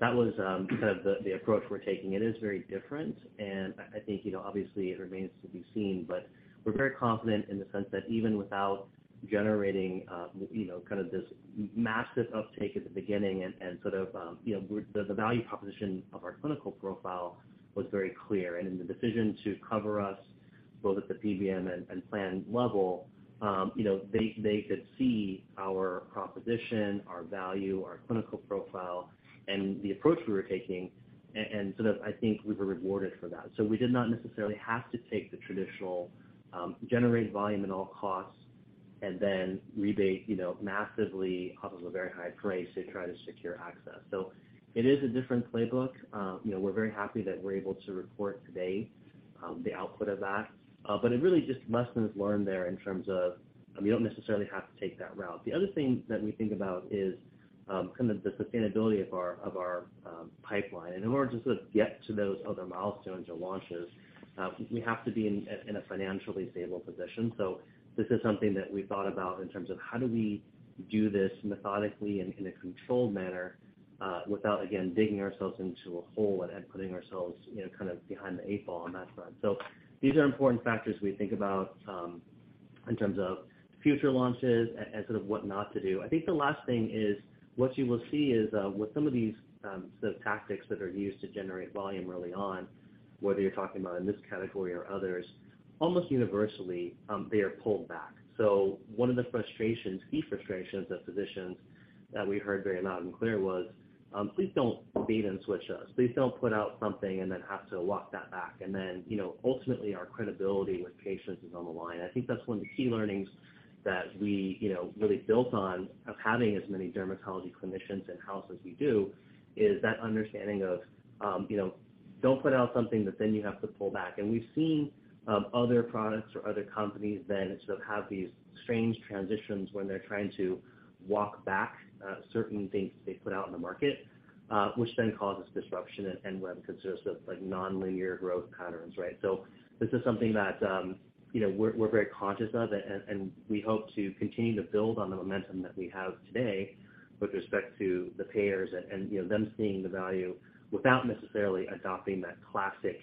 That was kind of the approach we're taking. It is very different, and I think, you know, obviously it remains to be seen, but we're very confident in the sense that even without generating, you know, kind of this massive uptake at the beginning and sort of, you know, the value proposition of our clinical profile was very clear. In the decision to cover us both at the PBM and plan level, you know, they could see our proposition, our value, our clinical profile, and the approach we were taking. I think we were rewarded for that. We did not necessarily have to take the traditional, generate volume at all costs and then rebate, you know, massively off of a very high price to try to secure access. It is a different playbook. You know, we're very happy that we're able to report today, the output of that. But it really just lessons learned there in terms of, I mean, you don't necessarily have to take that route. The other thing that we think about is, kind of the sustainability of our pipeline. In order to sort of get to those other milestones or launches, we have to be in a financially stable position. This is something that we thought about in terms of how do we do this methodically and in a controlled manner, without, again, digging ourselves into a hole and putting ourselves, you know, kind of behind the eight ball on that front. These are important factors we think about in terms of future launches and sort of what not to do. I think the last thing is what you will see is, with some of these, sort of tactics that are used to generate volume early on, whether you're talking about in this category or others, almost universally, they are pulled back. One of the frustrations, key frustrations of physicians that we heard very loud and clear was, please don't bait and switch us. Please don't put out something and then have to walk that back. You know, ultimately our credibility with patients is on the line. I think that's one of the key learnings that we, you know, really built on of having as many dermatology clinicians in-house as we do, is that understanding of, you know, don't put out something that then you have to pull back. We've seen other products or other companies then sort of have these strange transitions when they're trying to walk back certain things they put out in the market, which then causes disruption and what consists of, like, nonlinear growth patterns, right? This is something that, you know, we're very conscious of, and we hope to continue to build on the momentum that we have today with respect to the payers and, you know, them seeing the value without necessarily adopting that classic,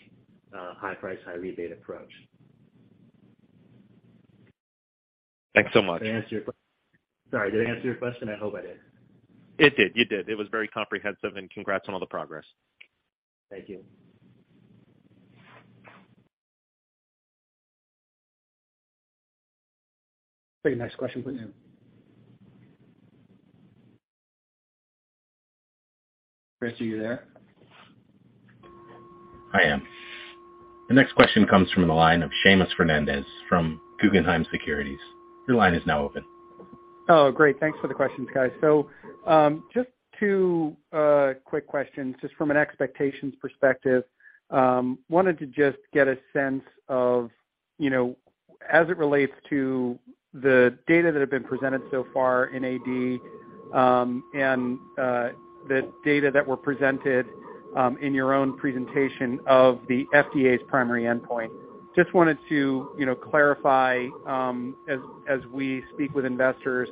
high price, high rebate approach. Thanks so much. Sorry, did I answer your question? I hope I did. It did. You did. It was very comprehensive, and congrats on all the progress. Thank you. Bring the next question please, ma'am. Chris, are you there? I am. The next question comes from the line of Seamus Fernandez from Guggenheim Securities. Your line is now open. Oh, great. Thanks for the questions, guys. Just two quick questions, just from an expectations perspective. Wanted to just get a sense of, you know, as it relates to the data that have been presented so far in AD, and the data that were presented in your own presentation of the FDA's primary endpoint. Just wanted to, you know, clarify, as we speak with investors,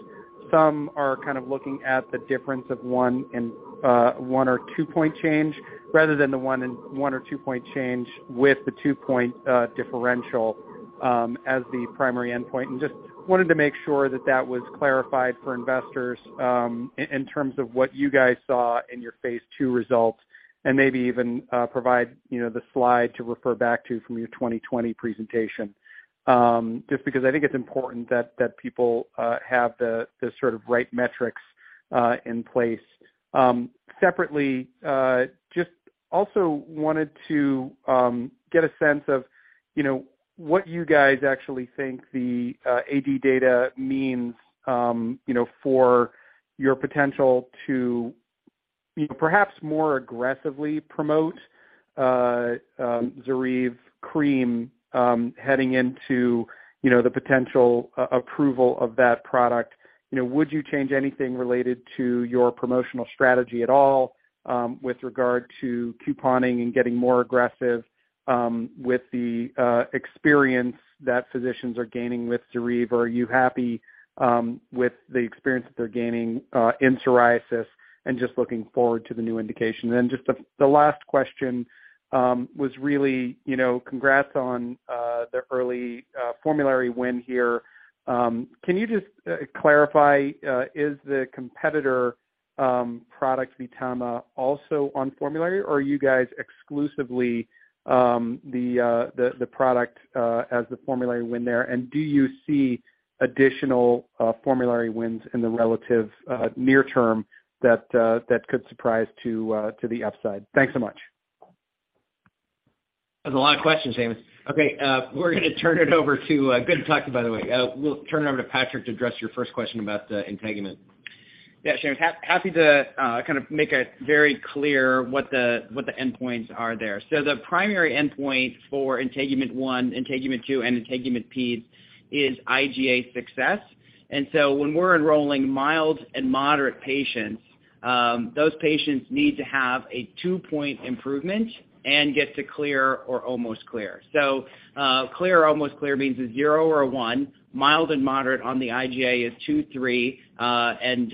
some are kind of looking at the difference of one and one or two point change rather than the one and one or two point change with the two point differential as the primary endpoint. Just wanted to make sure that was clarified for investors, in terms of what you guys saw in your phase 2 results, and maybe even provide, you know, the slide to refer back to from your 2020 presentation. Just because I think it's important that people have the sort of right metrics in place. Separately, just also wanted to get a sense of, you know, what you guys actually think the AD data means, you know, for your potential to perhaps more aggressively promote ZORYVE cream, heading into, you know, the potential approval of that product. You know, would you change anything related to your promotional strategy at all, with regard to couponing and getting more aggressive, with the experience that physicians are gaining with ZORYVE? Are you happy with the experience that they're gaining in psoriasis and just looking forward to the new indication? Just the last question was really, you know, congrats on the early formulary win here. Can you just clarify, is the competitor product, VTAMA, also on formulary, or are you guys exclusively the product as the formulary win there? And do you see additional formulary wins in the relative near term that could surprise to the upside? Thanks so much. That's a lot of questions, Seamus. Okay, good talking, by the way. We'll turn it over to Patrick to address your first question about the INTEGUMENT. Yeah, Seamus, happy to kind of make it very clear what the endpoints are there. The primary endpoint for INTEGUMENT-1, INTEGUMENT-2 and INTEGUMENT-PED is IGA success. When we're enrolling mild and moderate patients, those patients need to have a 2-point improvement and get to clear or almost clear. Clear or almost clear means a 0 or a 1. Mild and moderate on the IGA is 2, 3, and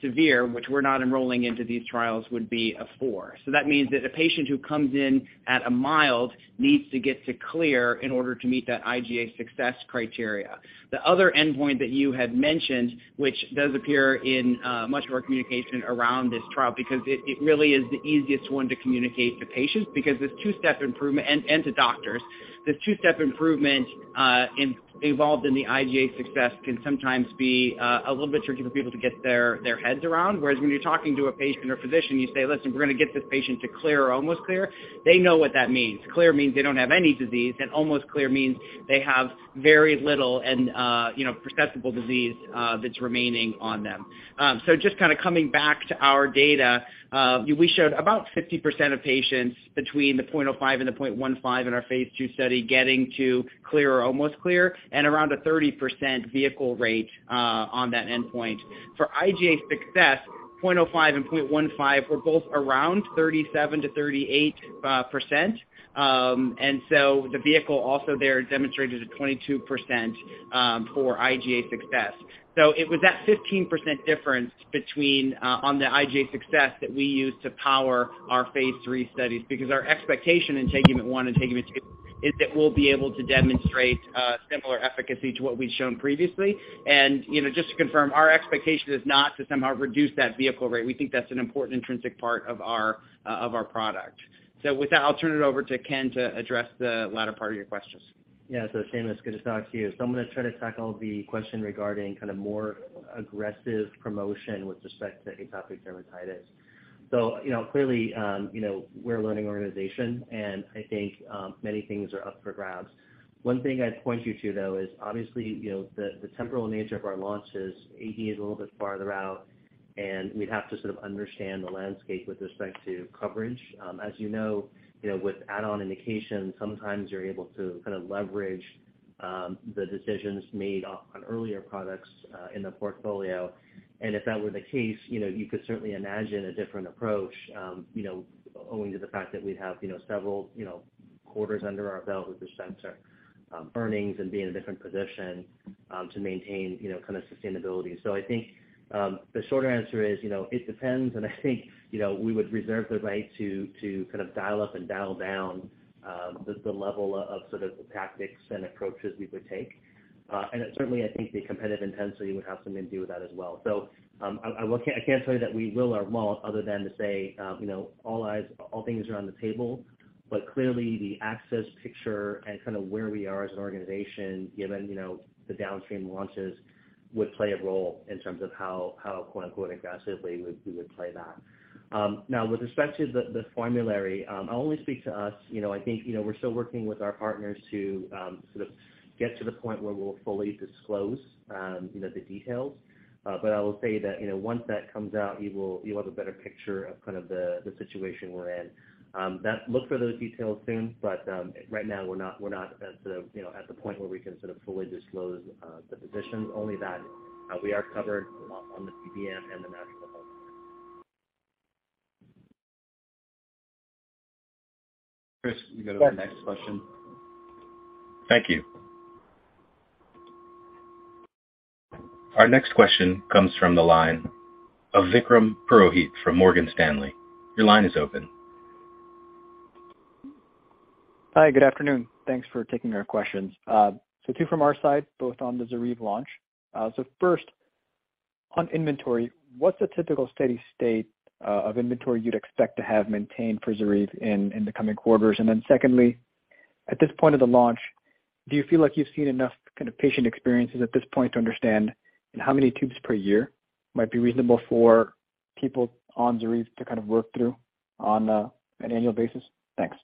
severe, which we're not enrolling into these trials, would be a 4. That means that a patient who comes in at a mild needs to get to clear in order to meet that IGA success criteria. The other endpoint that you had mentioned, which does appear in much of our communication around this trial because it really is the easiest one to communicate to patients and to doctors. The two-step improvement involved in the IGA success can sometimes be a little bit tricky for people to get their heads around. Whereas when you're talking to a patient or physician, you say, "Listen, we're gonna get this patient to clear or almost clear," they know what that means. Clear means they don't have any disease, and almost clear means they have very little and, you know, perceptible disease that's remaining on them. Just kinda coming back to our data, we showed about 50% of patients between the 0.05 and the 0.15 in our phase 2 study getting to clear or almost clear, and around a 30% vehicle rate on that endpoint. For IGA success, 0.05 and 0.15 were both around 37-38%. The vehicle also there demonstrated a 22% for IGA success. It was that 15% difference between on the IGA success that we used to power our phase 3 studies, because our expectation in INTEGUMENT-1 and INTEGUMENT-2 is that we'll be able to demonstrate similar efficacy to what we've shown previously. You know, just to confirm, our expectation is not to somehow reduce that vehicle rate. We think that's an important intrinsic part of our product. With that, I'll turn it over to Ken to address the latter part of your questions. Yeah. Seamus, good to talk to you. I'm gonna try to tackle the question regarding kind of more aggressive promotion with respect to atopic dermatitis. You know, clearly, you know, we're a learning organization, and I think, many things are up for grabs. One thing I'd point you to, though, is obviously, you know, the temporal nature of our launches, AD is a little bit farther out, and we'd have to sort of understand the landscape with respect to coverage. As you know, you know, with add-on indications, sometimes you're able to kind of leverage, the decisions made on earlier products, in the portfolio. If that were the case, you know, you could certainly imagine a different approach, you know, owing to the fact that we'd have, you know, several, you know, quarters under our belt with which to assess our earnings and be in a different position, to maintain, you know, kind of sustainability. I think the shorter answer is, you know, it depends, and I think, you know, we would reserve the right to kind of dial up and dial down the level of sort of the tactics and approaches we would take. Certainly, I think the competitive intensity would have something to do with that as well. I can't tell you that we will or won't other than to say, you know, all eyes, all things are on the table, but clearly, the access picture and kind of where we are as an organization, given, you know, the downstream launches would play a role in terms of how quote-unquote aggressively we would play that. Now with respect to the formulary, I'll only speak to us. You know, I think, you know, we're still working with our partners to sort of get to the point where we'll fully disclose, you know, the details. But I will say that, you know, once that comes out, you'll have a better picture of kind of the situation we're in. Look for those details soon, but right now, we're not at the point, you know, where we can sort of fully disclose the position, only that we are covered on the PBM and the national accounts. Chris, can you go to the next question? Thank you. Our next question comes from the line of Vikram Purohit from Morgan Stanley. Your line is open. Hi, good afternoon. Thanks for taking our questions. Two from our side, both on the ZORYVE launch. First on inventory, what's the typical steady state of inventory you'd expect to have maintained for ZORYVE in the coming quarters? Secondly, at this point of the launch, do you feel like you've seen enough kind of patient experiences at this point to understand how many tubes per year might be reasonable for people on ZORYVE to kind of work through on an annual basis? Thanks.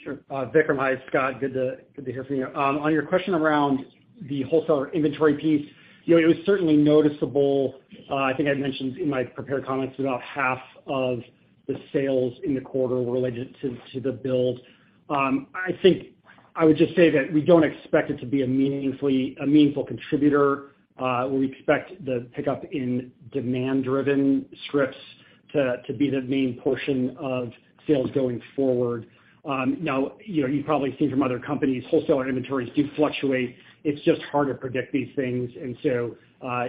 Sure. Vikram, hi, it's Scott. Good to hear from you. On your question around the wholesaler inventory piece, you know, it was certainly noticeable. I think I'd mentioned in my prepared comments about half of the sales in the quarter were related to the build. I think I would just say that we don't expect it to be a meaningful contributor. We expect the pickup in demand-driven scripts to be the main portion of sales going forward. Now, you know, you've probably seen from other companies, wholesaler inventories do fluctuate. It's just hard to predict these things. You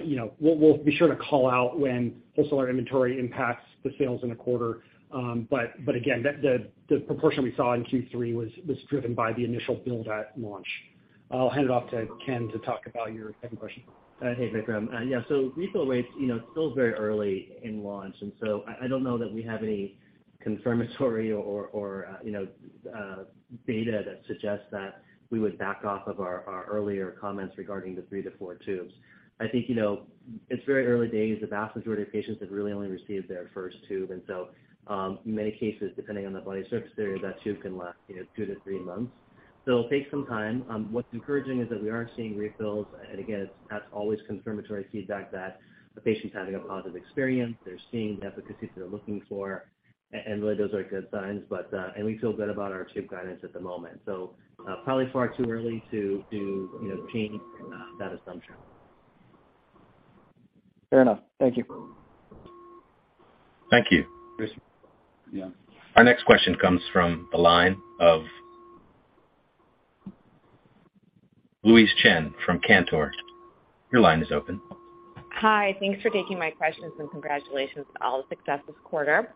know, we'll be sure to call out when wholesaler inventory impacts the sales in a quarter. The proportion we saw in Q3 was driven by the initial build at launch. I'll hand it off to Ken to talk about your second question. Hey, Vikram. Yeah, so refill rates, you know, still very early in launch, and so I don't know that we have any confirmatory or data that suggests that we would back off of our earlier comments regarding the 3-4 tubes. I think, you know, it's very early days. The vast majority of patients have really only received their first tube. In many cases, depending on the body surface area, that tube can last, you know, 2-3 months. It'll take some time. What's encouraging is that we are seeing refills. Again, that's always confirmatory feedback that a patient's having a positive experience. They're seeing the efficacy they're looking for. And really, those are good signs. We feel good about our tube guidance at the moment. Probably far too early to you know change that assumption. Fair enough. Thank you. Thank you. Yes. Yeah. Our next question comes from the line of Louise Chen from Cantor Fitzgerald. Your line is open. Hi. Thanks for taking my questions and congratulations on all the success this quarter.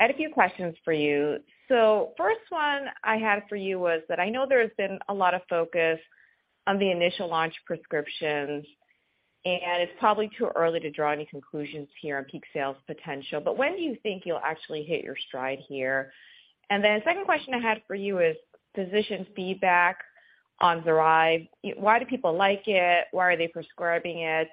I had a few questions for you. First one I had for you was that I know there's been a lot of focus on the initial launch prescriptions, and it's probably too early to draw any conclusions here on peak sales potential. When do you think you'll actually hit your stride here? Second question I had for you is physician feedback on ZORYVE. Why do people like it? Why are they prescribing it?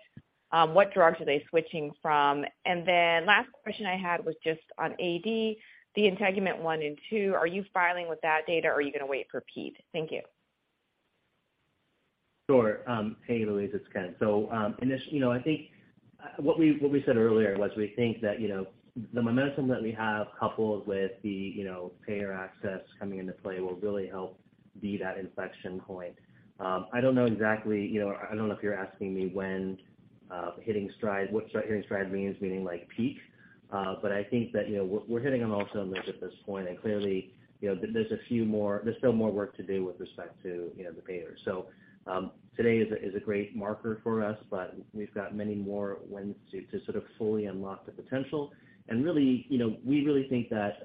What drugs are they switching from? Last question I had was just on AD, the INTEGUMENT-1 and 2. Are you filing with that data or are you gonna wait for INTEGUMENT-PED? Thank you. Sure. Hey, Louise, it's Ken. You know, I think what we said earlier was we think that, you know, the momentum that we have coupled with the, you know, payer access coming into play will really help be that inflection point. I don't know exactly, you know, I don't know if you're asking me when hitting stride, what hitting stride means, meaning like peak. I think that, you know, we're hitting on all cylinders at this point. Clearly, you know, there's still more work to do with respect to, you know, the payers. Today is a great marker for us, but we've got many more wins to sort of fully unlock the potential. Really, you know, we really think that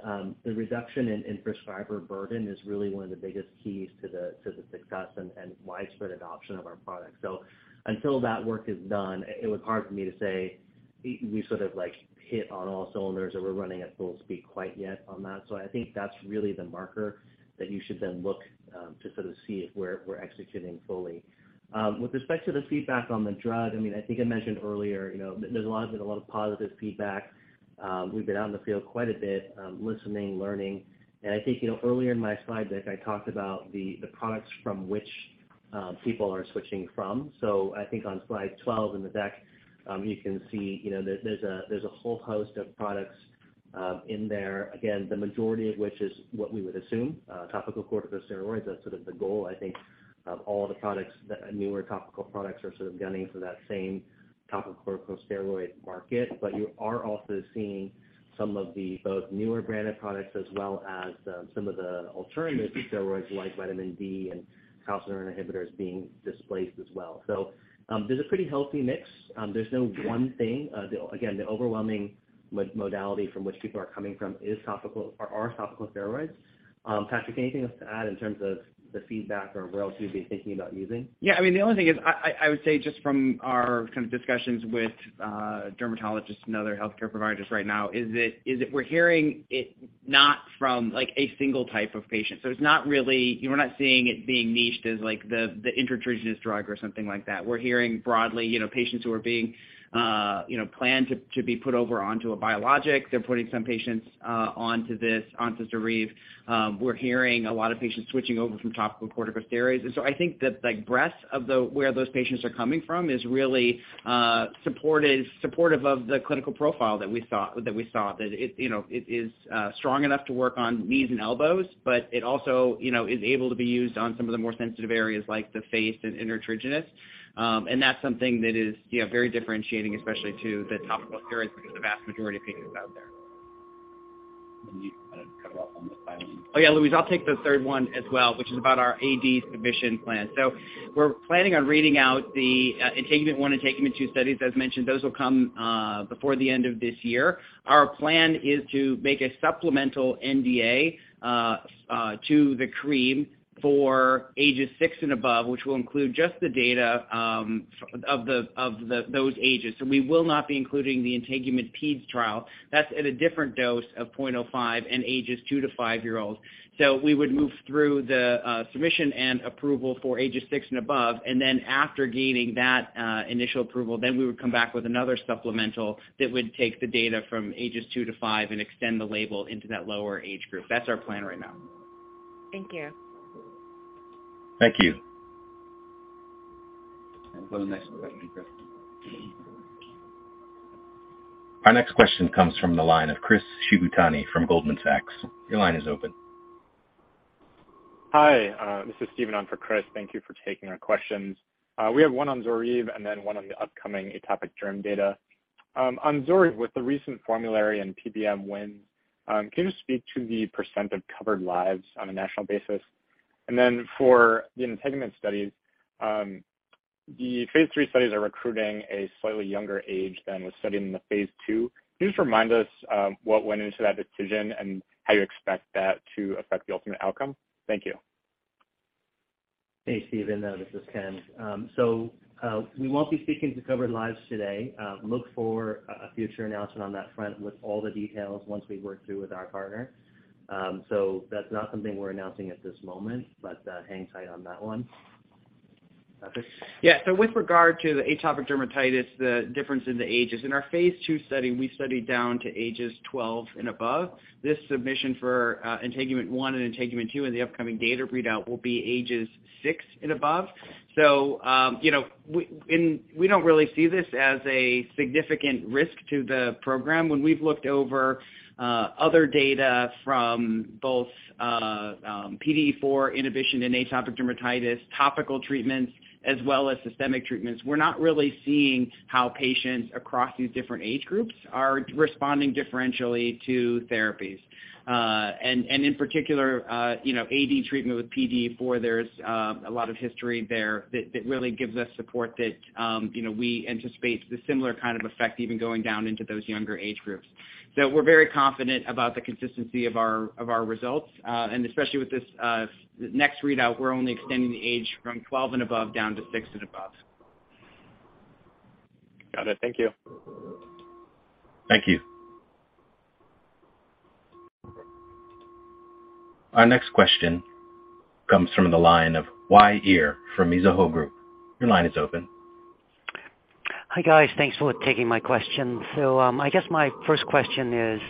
the reduction in prescriber burden is really one of the biggest keys to the success and widespread adoption of our product. Until that work is done, it would be hard for me to say we sort of like hit on all cylinders or we're running at full speed quite yet on that. I think that's really the marker that you should then look to sort of see if we're executing fully. With respect to the feedback on the drug, I mean, I think I mentioned earlier, you know, there's been a lot of positive feedback. We've been out in the field quite a bit, listening, learning. I think, you know, earlier in my slide deck, I talked about the products from which people are switching from. I think on slide 12 in the deck, you can see, you know, there's a whole host of products in there. Again, the majority of which is what we would assume, topical corticosteroids. That's sort of the goal, I think, of all the products. The newer topical products are sort of gunning for that same topical corticosteroid market. You are also seeing some of the both newer branded products as well as some of the alternative steroids like vitamin D and calcineurin inhibitors being displaced as well. There's a pretty healthy mix. There's no one thing. Again, the overwhelming modality from which people are coming from is topical steroids. Patrick, anything else to add in terms of the feedback or where else you'd be thinking about using? Yeah. I mean, the only thing is I would say just from our kind of discussions with dermatologists and other healthcare providers right now is that we're hearing it not from like a single type of patient. It's not really. We're not seeing it being niched as like the intertriginous drug or something like that. We're hearing broadly, you know, patients who are being, you know, planned to be put over onto a biologic. They're putting some patients onto this, onto ZORYVE. We're hearing a lot of patients switching over from topical corticosteroids. I think that the breadth of where those patients are coming from is really supportive of the clinical profile that we saw. That it, you know, it is strong enough to work on knees and elbows, but it also, you know, is able to be used on some of the more sensitive areas like the face and intertriginous. That's something that is, you know, very differentiating, especially to the topical steroids because the vast majority of patients out there. You kind of cover off on the timing. Oh, yeah, Louise, I'll take the third one as well, which is about our AD submission plan. We're planning on reading out the INTEGUMENT-1 and INTEGUMENT-2 studies. As mentioned, those will come before the end of this year. Our plan is to make a supplemental NDA to the cream for ages six and above, which will include just the data of those ages. We will not be including the INTEGUMENT-PED pediatrics trial. That's at a different dose of 0.05 in ages two to five-year-olds. We would move through the submission and approval for ages six and above, and then after gaining that initial approval, we would come back with another supplemental that would take the data from ages two to five and extend the label into that lower age group. That's our plan right now. Thank you. Thank you. We'll go to the next question. Our next question comes from the line of Chris Shibutani from Goldman Sachs. Your line is open. Hi, this is Steven on for Chris. Thank you for taking our questions. We have one on ZORYVE and then one on the upcoming atopic derm data. On ZORYVE, with the recent formulary and PBM win, can you just speak to the % of covered lives on a national basis? For the INTEGUMENT studies, the phase three studies are recruiting a slightly younger age than was studied in the phase two. Can you just remind us, what went into that decision and how you expect that to affect the ultimate outcome? Thank you. Hey, Steven, this is Ken. We won't be speaking to covered lives today. Look for a future announcement on that front with all the details once we work through with our partner. That's not something we're announcing at this moment, but hang tight on that one. Okay. Yeah. With regard to the atopic dermatitis, the difference in the ages, in our phase 2 study, we studied down to ages 12 and above. This submission for INTEGUMENT-1 and INTEGUMENT-2 and the upcoming data readout will be ages 6 and above. You know, we don't really see this as a significant risk to the program. When we've looked over other data from both PDE4 inhibition in atopic dermatitis, topical treatments, as well as systemic treatments, we're not really seeing how patients across these different age groups are responding differentially to therapies. And in particular, you know, AD treatment with PDE4, there's a lot of history there that really gives us support that you know, we anticipate the similar kind of effect even going down into those younger age groups. We're very confident about the consistency of our results, and especially with this next readout, we're only extending the age from 12 and above down to 6 and above. Got it. Thank you. Thank you. Our next question comes from the line of Uy Ear from Mizuho Securities. Your line is open. Hi, guys. Thanks for taking my question. I guess my first question is,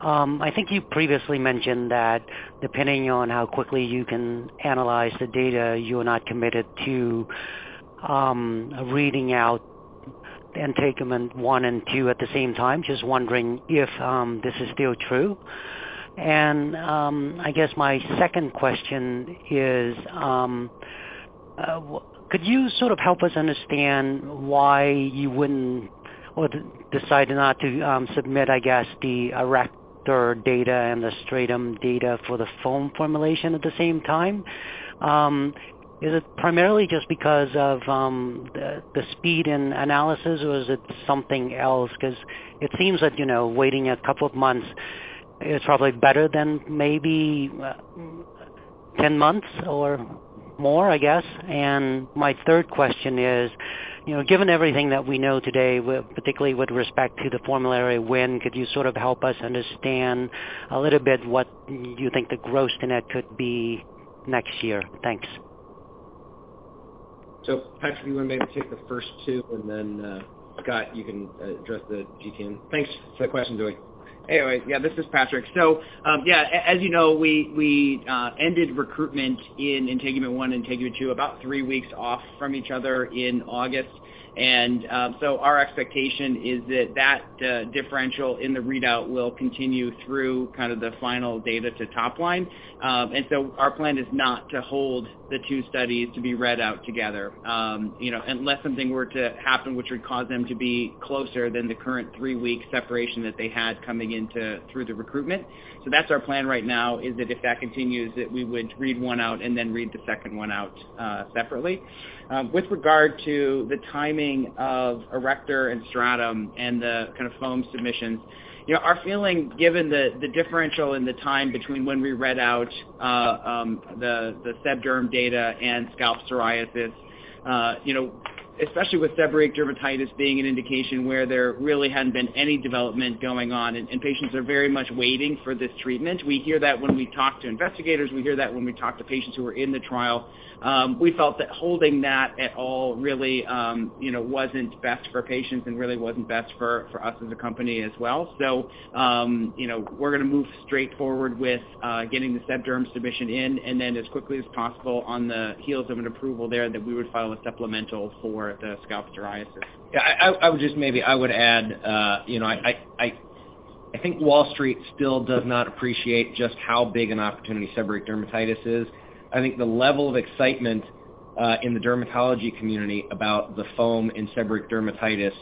I think you previously mentioned that depending on how quickly you can analyze the data, you are not committed to reading out INTEGUMENT-1 and INTEGUMENT-2 at the same time. Just wondering if this is still true. I guess my second question is, could you sort of help us understand why you wouldn't or decide not to submit, I guess, the ARRECTOR data and the STRATUM data for the foam formulation at the same time? Is it primarily just because of the speed and analysis, or is it something else? 'Cause it seems that, you know, waiting a couple of months is probably better than maybe 10 months or more, I guess. My third question is, you know, given everything that we know today, particularly with respect to the formulary win, could you sort of help us understand a little bit what you think the gross-to-net could be next year? Thanks. Patrick, you wanna maybe take the first two, and then, Scott, you can address the GTM. Thanks. For the question, Uy Ear. Anyway, yeah, this is Patrick. As you know, we ended recruitment in INTEGUMENT-1 and INTEGUMENT-2 about three weeks off from each other in August. Our expectation is that differential in the readout will continue through kind of the final data to top line. Our plan is not to hold the two studies to be read out together, you know, unless something were to happen which would cause them to be closer than the current three-week separation that they had coming into through the recruitment. That's our plan right now, is that if that continues, that we would read one out and then read the second one out, separately. With regard to the timing of ARRECTOR and STRATUM and the kind of foam submissions, you know, our feeling, given the differential in the time between when we read out the sebderm data and scalp psoriasis, you know, especially with seborrheic dermatitis being an indication where there really hadn't been any development going on and patients are very much waiting for this treatment. We hear that when we talk to investigators. We hear that when we talk to patients who are in the trial. We felt that holding that at all really, you know, wasn't best for patients and really wasn't best for us as a company as well. We're gonna move straight forward with getting the sebderm submission in, and then as quickly as possible on the heels of an approval there that we would file a supplemental for the scalp psoriasis. Yeah, I would just maybe add, you know, I think Wall Street still does not appreciate just how big an opportunity seborrheic dermatitis is. I think the level of excitement In the dermatology community about the foam in seborrheic dermatitis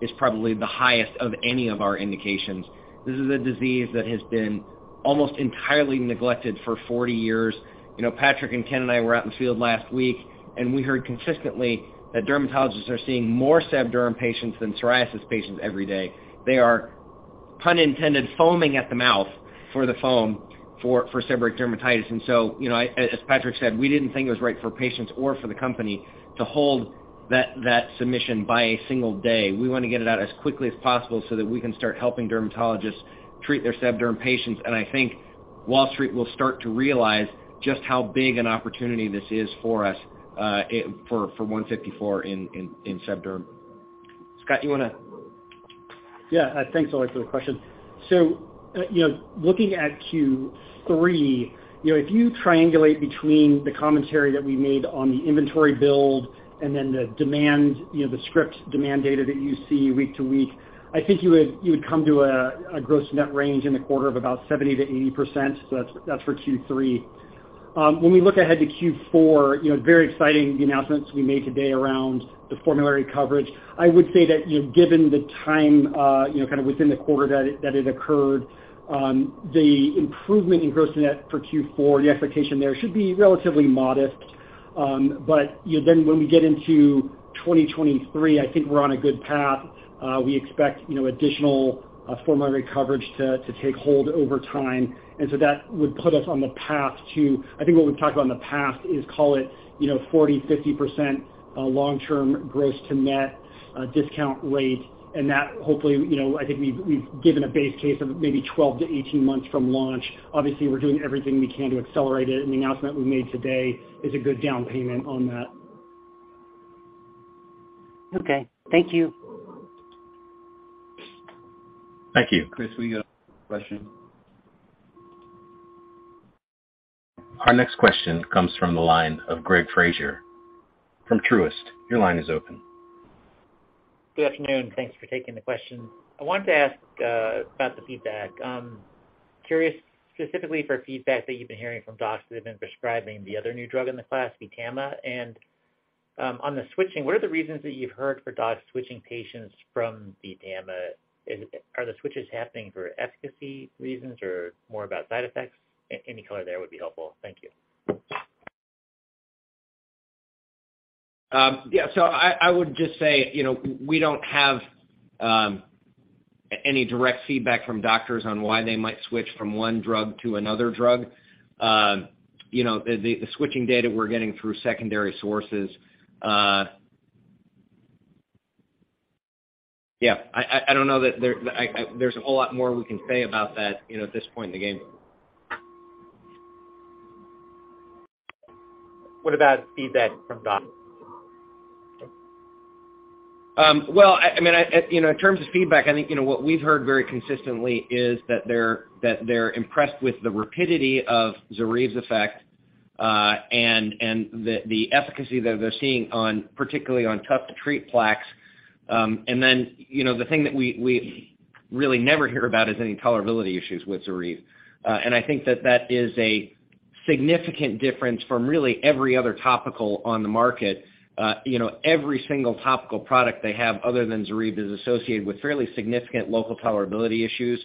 is probably the highest of any of our indications. This is a disease that has been almost entirely neglected for 40 years. You know, Patrick and Ken and I were out in the field last week, and we heard consistently that dermatologists are seeing more sebderm patients than psoriasis patients every day. They are, pun intended, foaming at the mouth for the foam for seborrheic dermatitis. You know, as Patrick said, we didn't think it was right for patients or for the company to hold that submission by a single day. We wanna get it out as quickly as possible so that we can start helping dermatologists treat their sebderm patients. I think Wall Street will start to realize just how big an opportunity this is for us, for 154 in sebderm. Scott, you wanna- Yeah. Thanks, Uy Ear, for the question. You know, looking at Q3, you know, if you triangulate between the commentary that we made on the inventory build and then the demand, you know, the script demand data that you see week to week, I think you would come to a gross-to-net range in the quarter of about 70%-80%. That's for Q3. When we look ahead to Q4, you know, very exciting the announcements we made today around the formulary coverage. I would say that, you know, given the time, you know, kind of within the quarter that it occurred, the improvement in gross-to-net for Q4, the expectation there should be relatively modest. You know, when we get into 2023, I think we're on a good path. We expect, you know, additional formulary coverage to take hold over time. That would put us on the path to, I think what we've talked about in the past is call it, you know, 40%-50% long-term gross to net discount rate. That hopefully, you know, I think we've given a base case of maybe 12-18 months from launch. Obviously, we're doing everything we can to accelerate it, and the announcement we made today is a good down payment on that. Okay. Thank you. Thank you. Chris, we got a question. Our next question comes from the line of Greg Fraser from Truist. Your line is open. Good afternoon. Thanks for taking the question. I wanted to ask about the feedback. Curious specifically for feedback that you've been hearing from docs that have been prescribing the other new drug in the class, VTAMA. On the switching, what are the reasons that you've heard for docs switching patients from VTAMA? Are the switches happening for efficacy reasons or more about side effects? Any color there would be helpful. Thank you. Yeah. I would just say, you know, we don't have any direct feedback from doctors on why they might switch from one drug to another drug. You know, the switching data we're getting through secondary sources. Yeah. I don't know that there's a whole lot more we can say about that, you know, at this point in the game. What about feedback from docs? Well, I mean, you know, in terms of feedback, I think, you know, what we've heard very consistently is that they're impressed with the rapidity of ZORYVE's effect, and the efficacy that they're seeing on, particularly on tough to treat plaques. And then, you know, the thing that we really never hear about is any tolerability issues with ZORYVE. And I think that is a significant difference from really every other topical on the market. You know, every single topical product they have other than ZORYVE is associated with fairly significant local tolerability issues,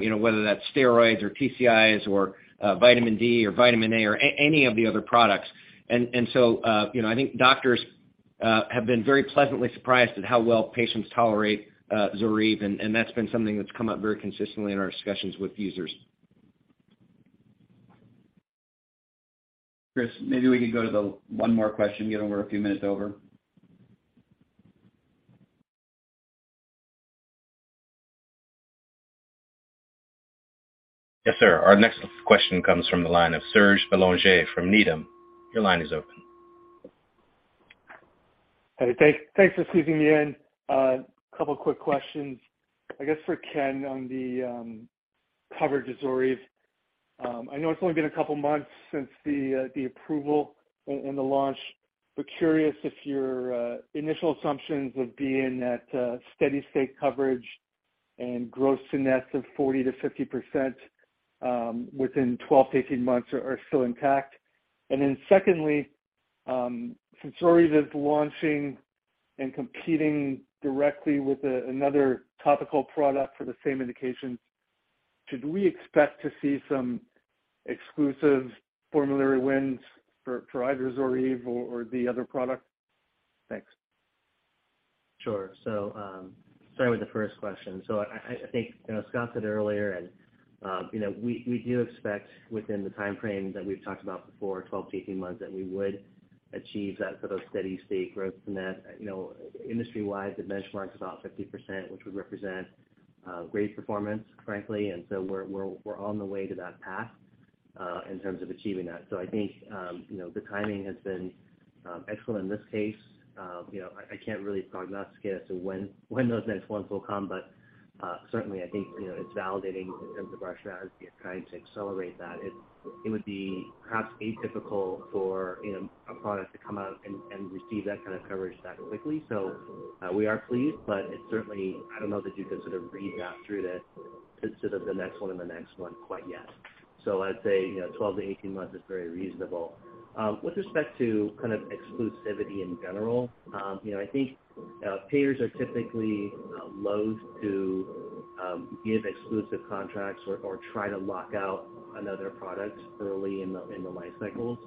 you know, whether that's steroids or TCIs or vitamin D or vitamin A or any of the other products. You know, I think doctors have been very pleasantly surprised at how well patients tolerate ZORYVE, and that's been something that's come up very consistently in our discussions with users. Chris, maybe we could go to one more question, given we're a few minutes over. Yes, sir. Our next question comes from the line of Serge Belanger from Needham. Your line is open. Thanks for squeezing me in. Couple quick questions, I guess, for Ken on the coverage of ZORYVE. I know it's only been a couple months since the approval and the launch. We're curious if your initial assumptions of being at steady state coverage and gross to nets of 40%-50% within 12-18 months are still intact. Secondly, since ZORYVE is launching and competing directly with another topical product for the same indication, should we expect to see some exclusive formulary wins for either ZORYVE or the other product? Thanks. Sure. Start with the first question. I think, you know, Scott said earlier and, you know, we do expect within the timeframe that we've talked about before, 12-18 months, that we would achieve that sort of steady state growth from that. You know, industry-wise, the benchmark's about 50%, which would represent great performance, frankly. We're on the way to that path in terms of achieving that. I think, you know, the timing has been excellent in this case. You know, I can't really prognosticate as to when those next ones will come, but certainly, I think, you know, it's validating in terms of our strategy of trying to accelerate that. It would be perhaps atypical for, you know, a product to come out and receive that kind of coverage that quickly. We are pleased, but it certainly, I don't know that you can sort of read that through to sort of the next one and the next one quite yet. I'd say, you know, 12-18 months is very reasonable. With respect to kind of exclusivity in general, you know, I think, payers are typically, loath to, give exclusive contracts or try to lock out another product early in the life cycle.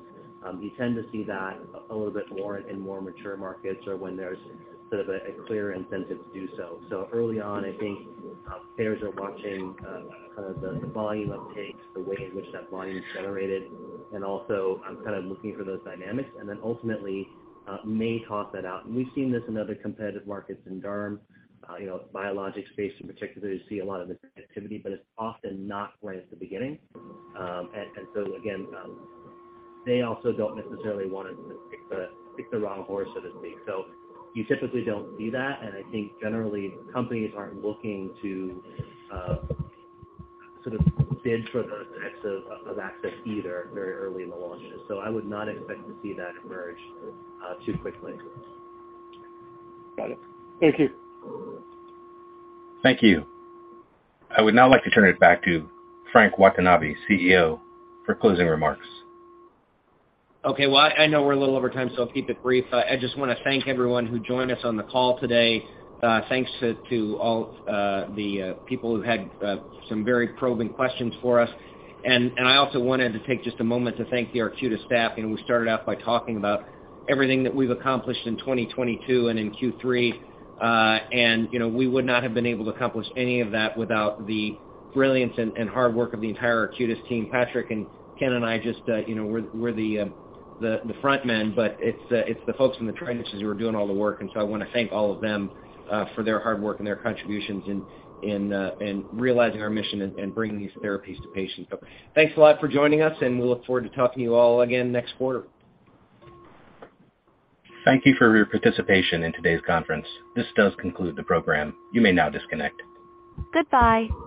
You tend to see that a little bit more in more mature markets or when there's sort of a clear incentive to do so. Early on, I think, payers are watching, kind of the volume uptake, the way in which that volume is generated, and also I'm kind of looking for those dynamics and then ultimately, may talk that out. We've seen this in other competitive markets in derm, you know, biologic space in particular, you see a lot of activity, but it's often not right at the beginning. They also don't necessarily wanna pick the wrong horse, so to speak. You typically don't see that, and I think generally companies aren't looking to sort of bid for those types of access either very early in the launch. I would not expect to see that emerge too quickly. Got it. Thank you. Thank you. I would now like to turn it back to Frank Watanabe, CEO, for closing remarks. Okay. Well, I know we're a little over time, so I'll keep it brief. I just wanna thank everyone who joined us on the call today. Thanks to all the people who had some very probing questions for us. I also wanted to take just a moment to thank the Arcutis staff. You know, we started out by talking about everything that we've accomplished in 2022 and in Q3. You know, we would not have been able to accomplish any of that without the brilliance and hard work of the entire Arcutis team. Patrick and Ken and I just you know we're the front men, but it's the folks in the trenches who are doing all the work. I wanna thank all of them for their hard work and their contributions in realizing our mission and bringing these therapies to patients. Thanks a lot for joining us, and we look forward to talking to you all again next quarter. Thank you for your participation in today's conference. This does conclude the program. You may now disconnect. Goodbye.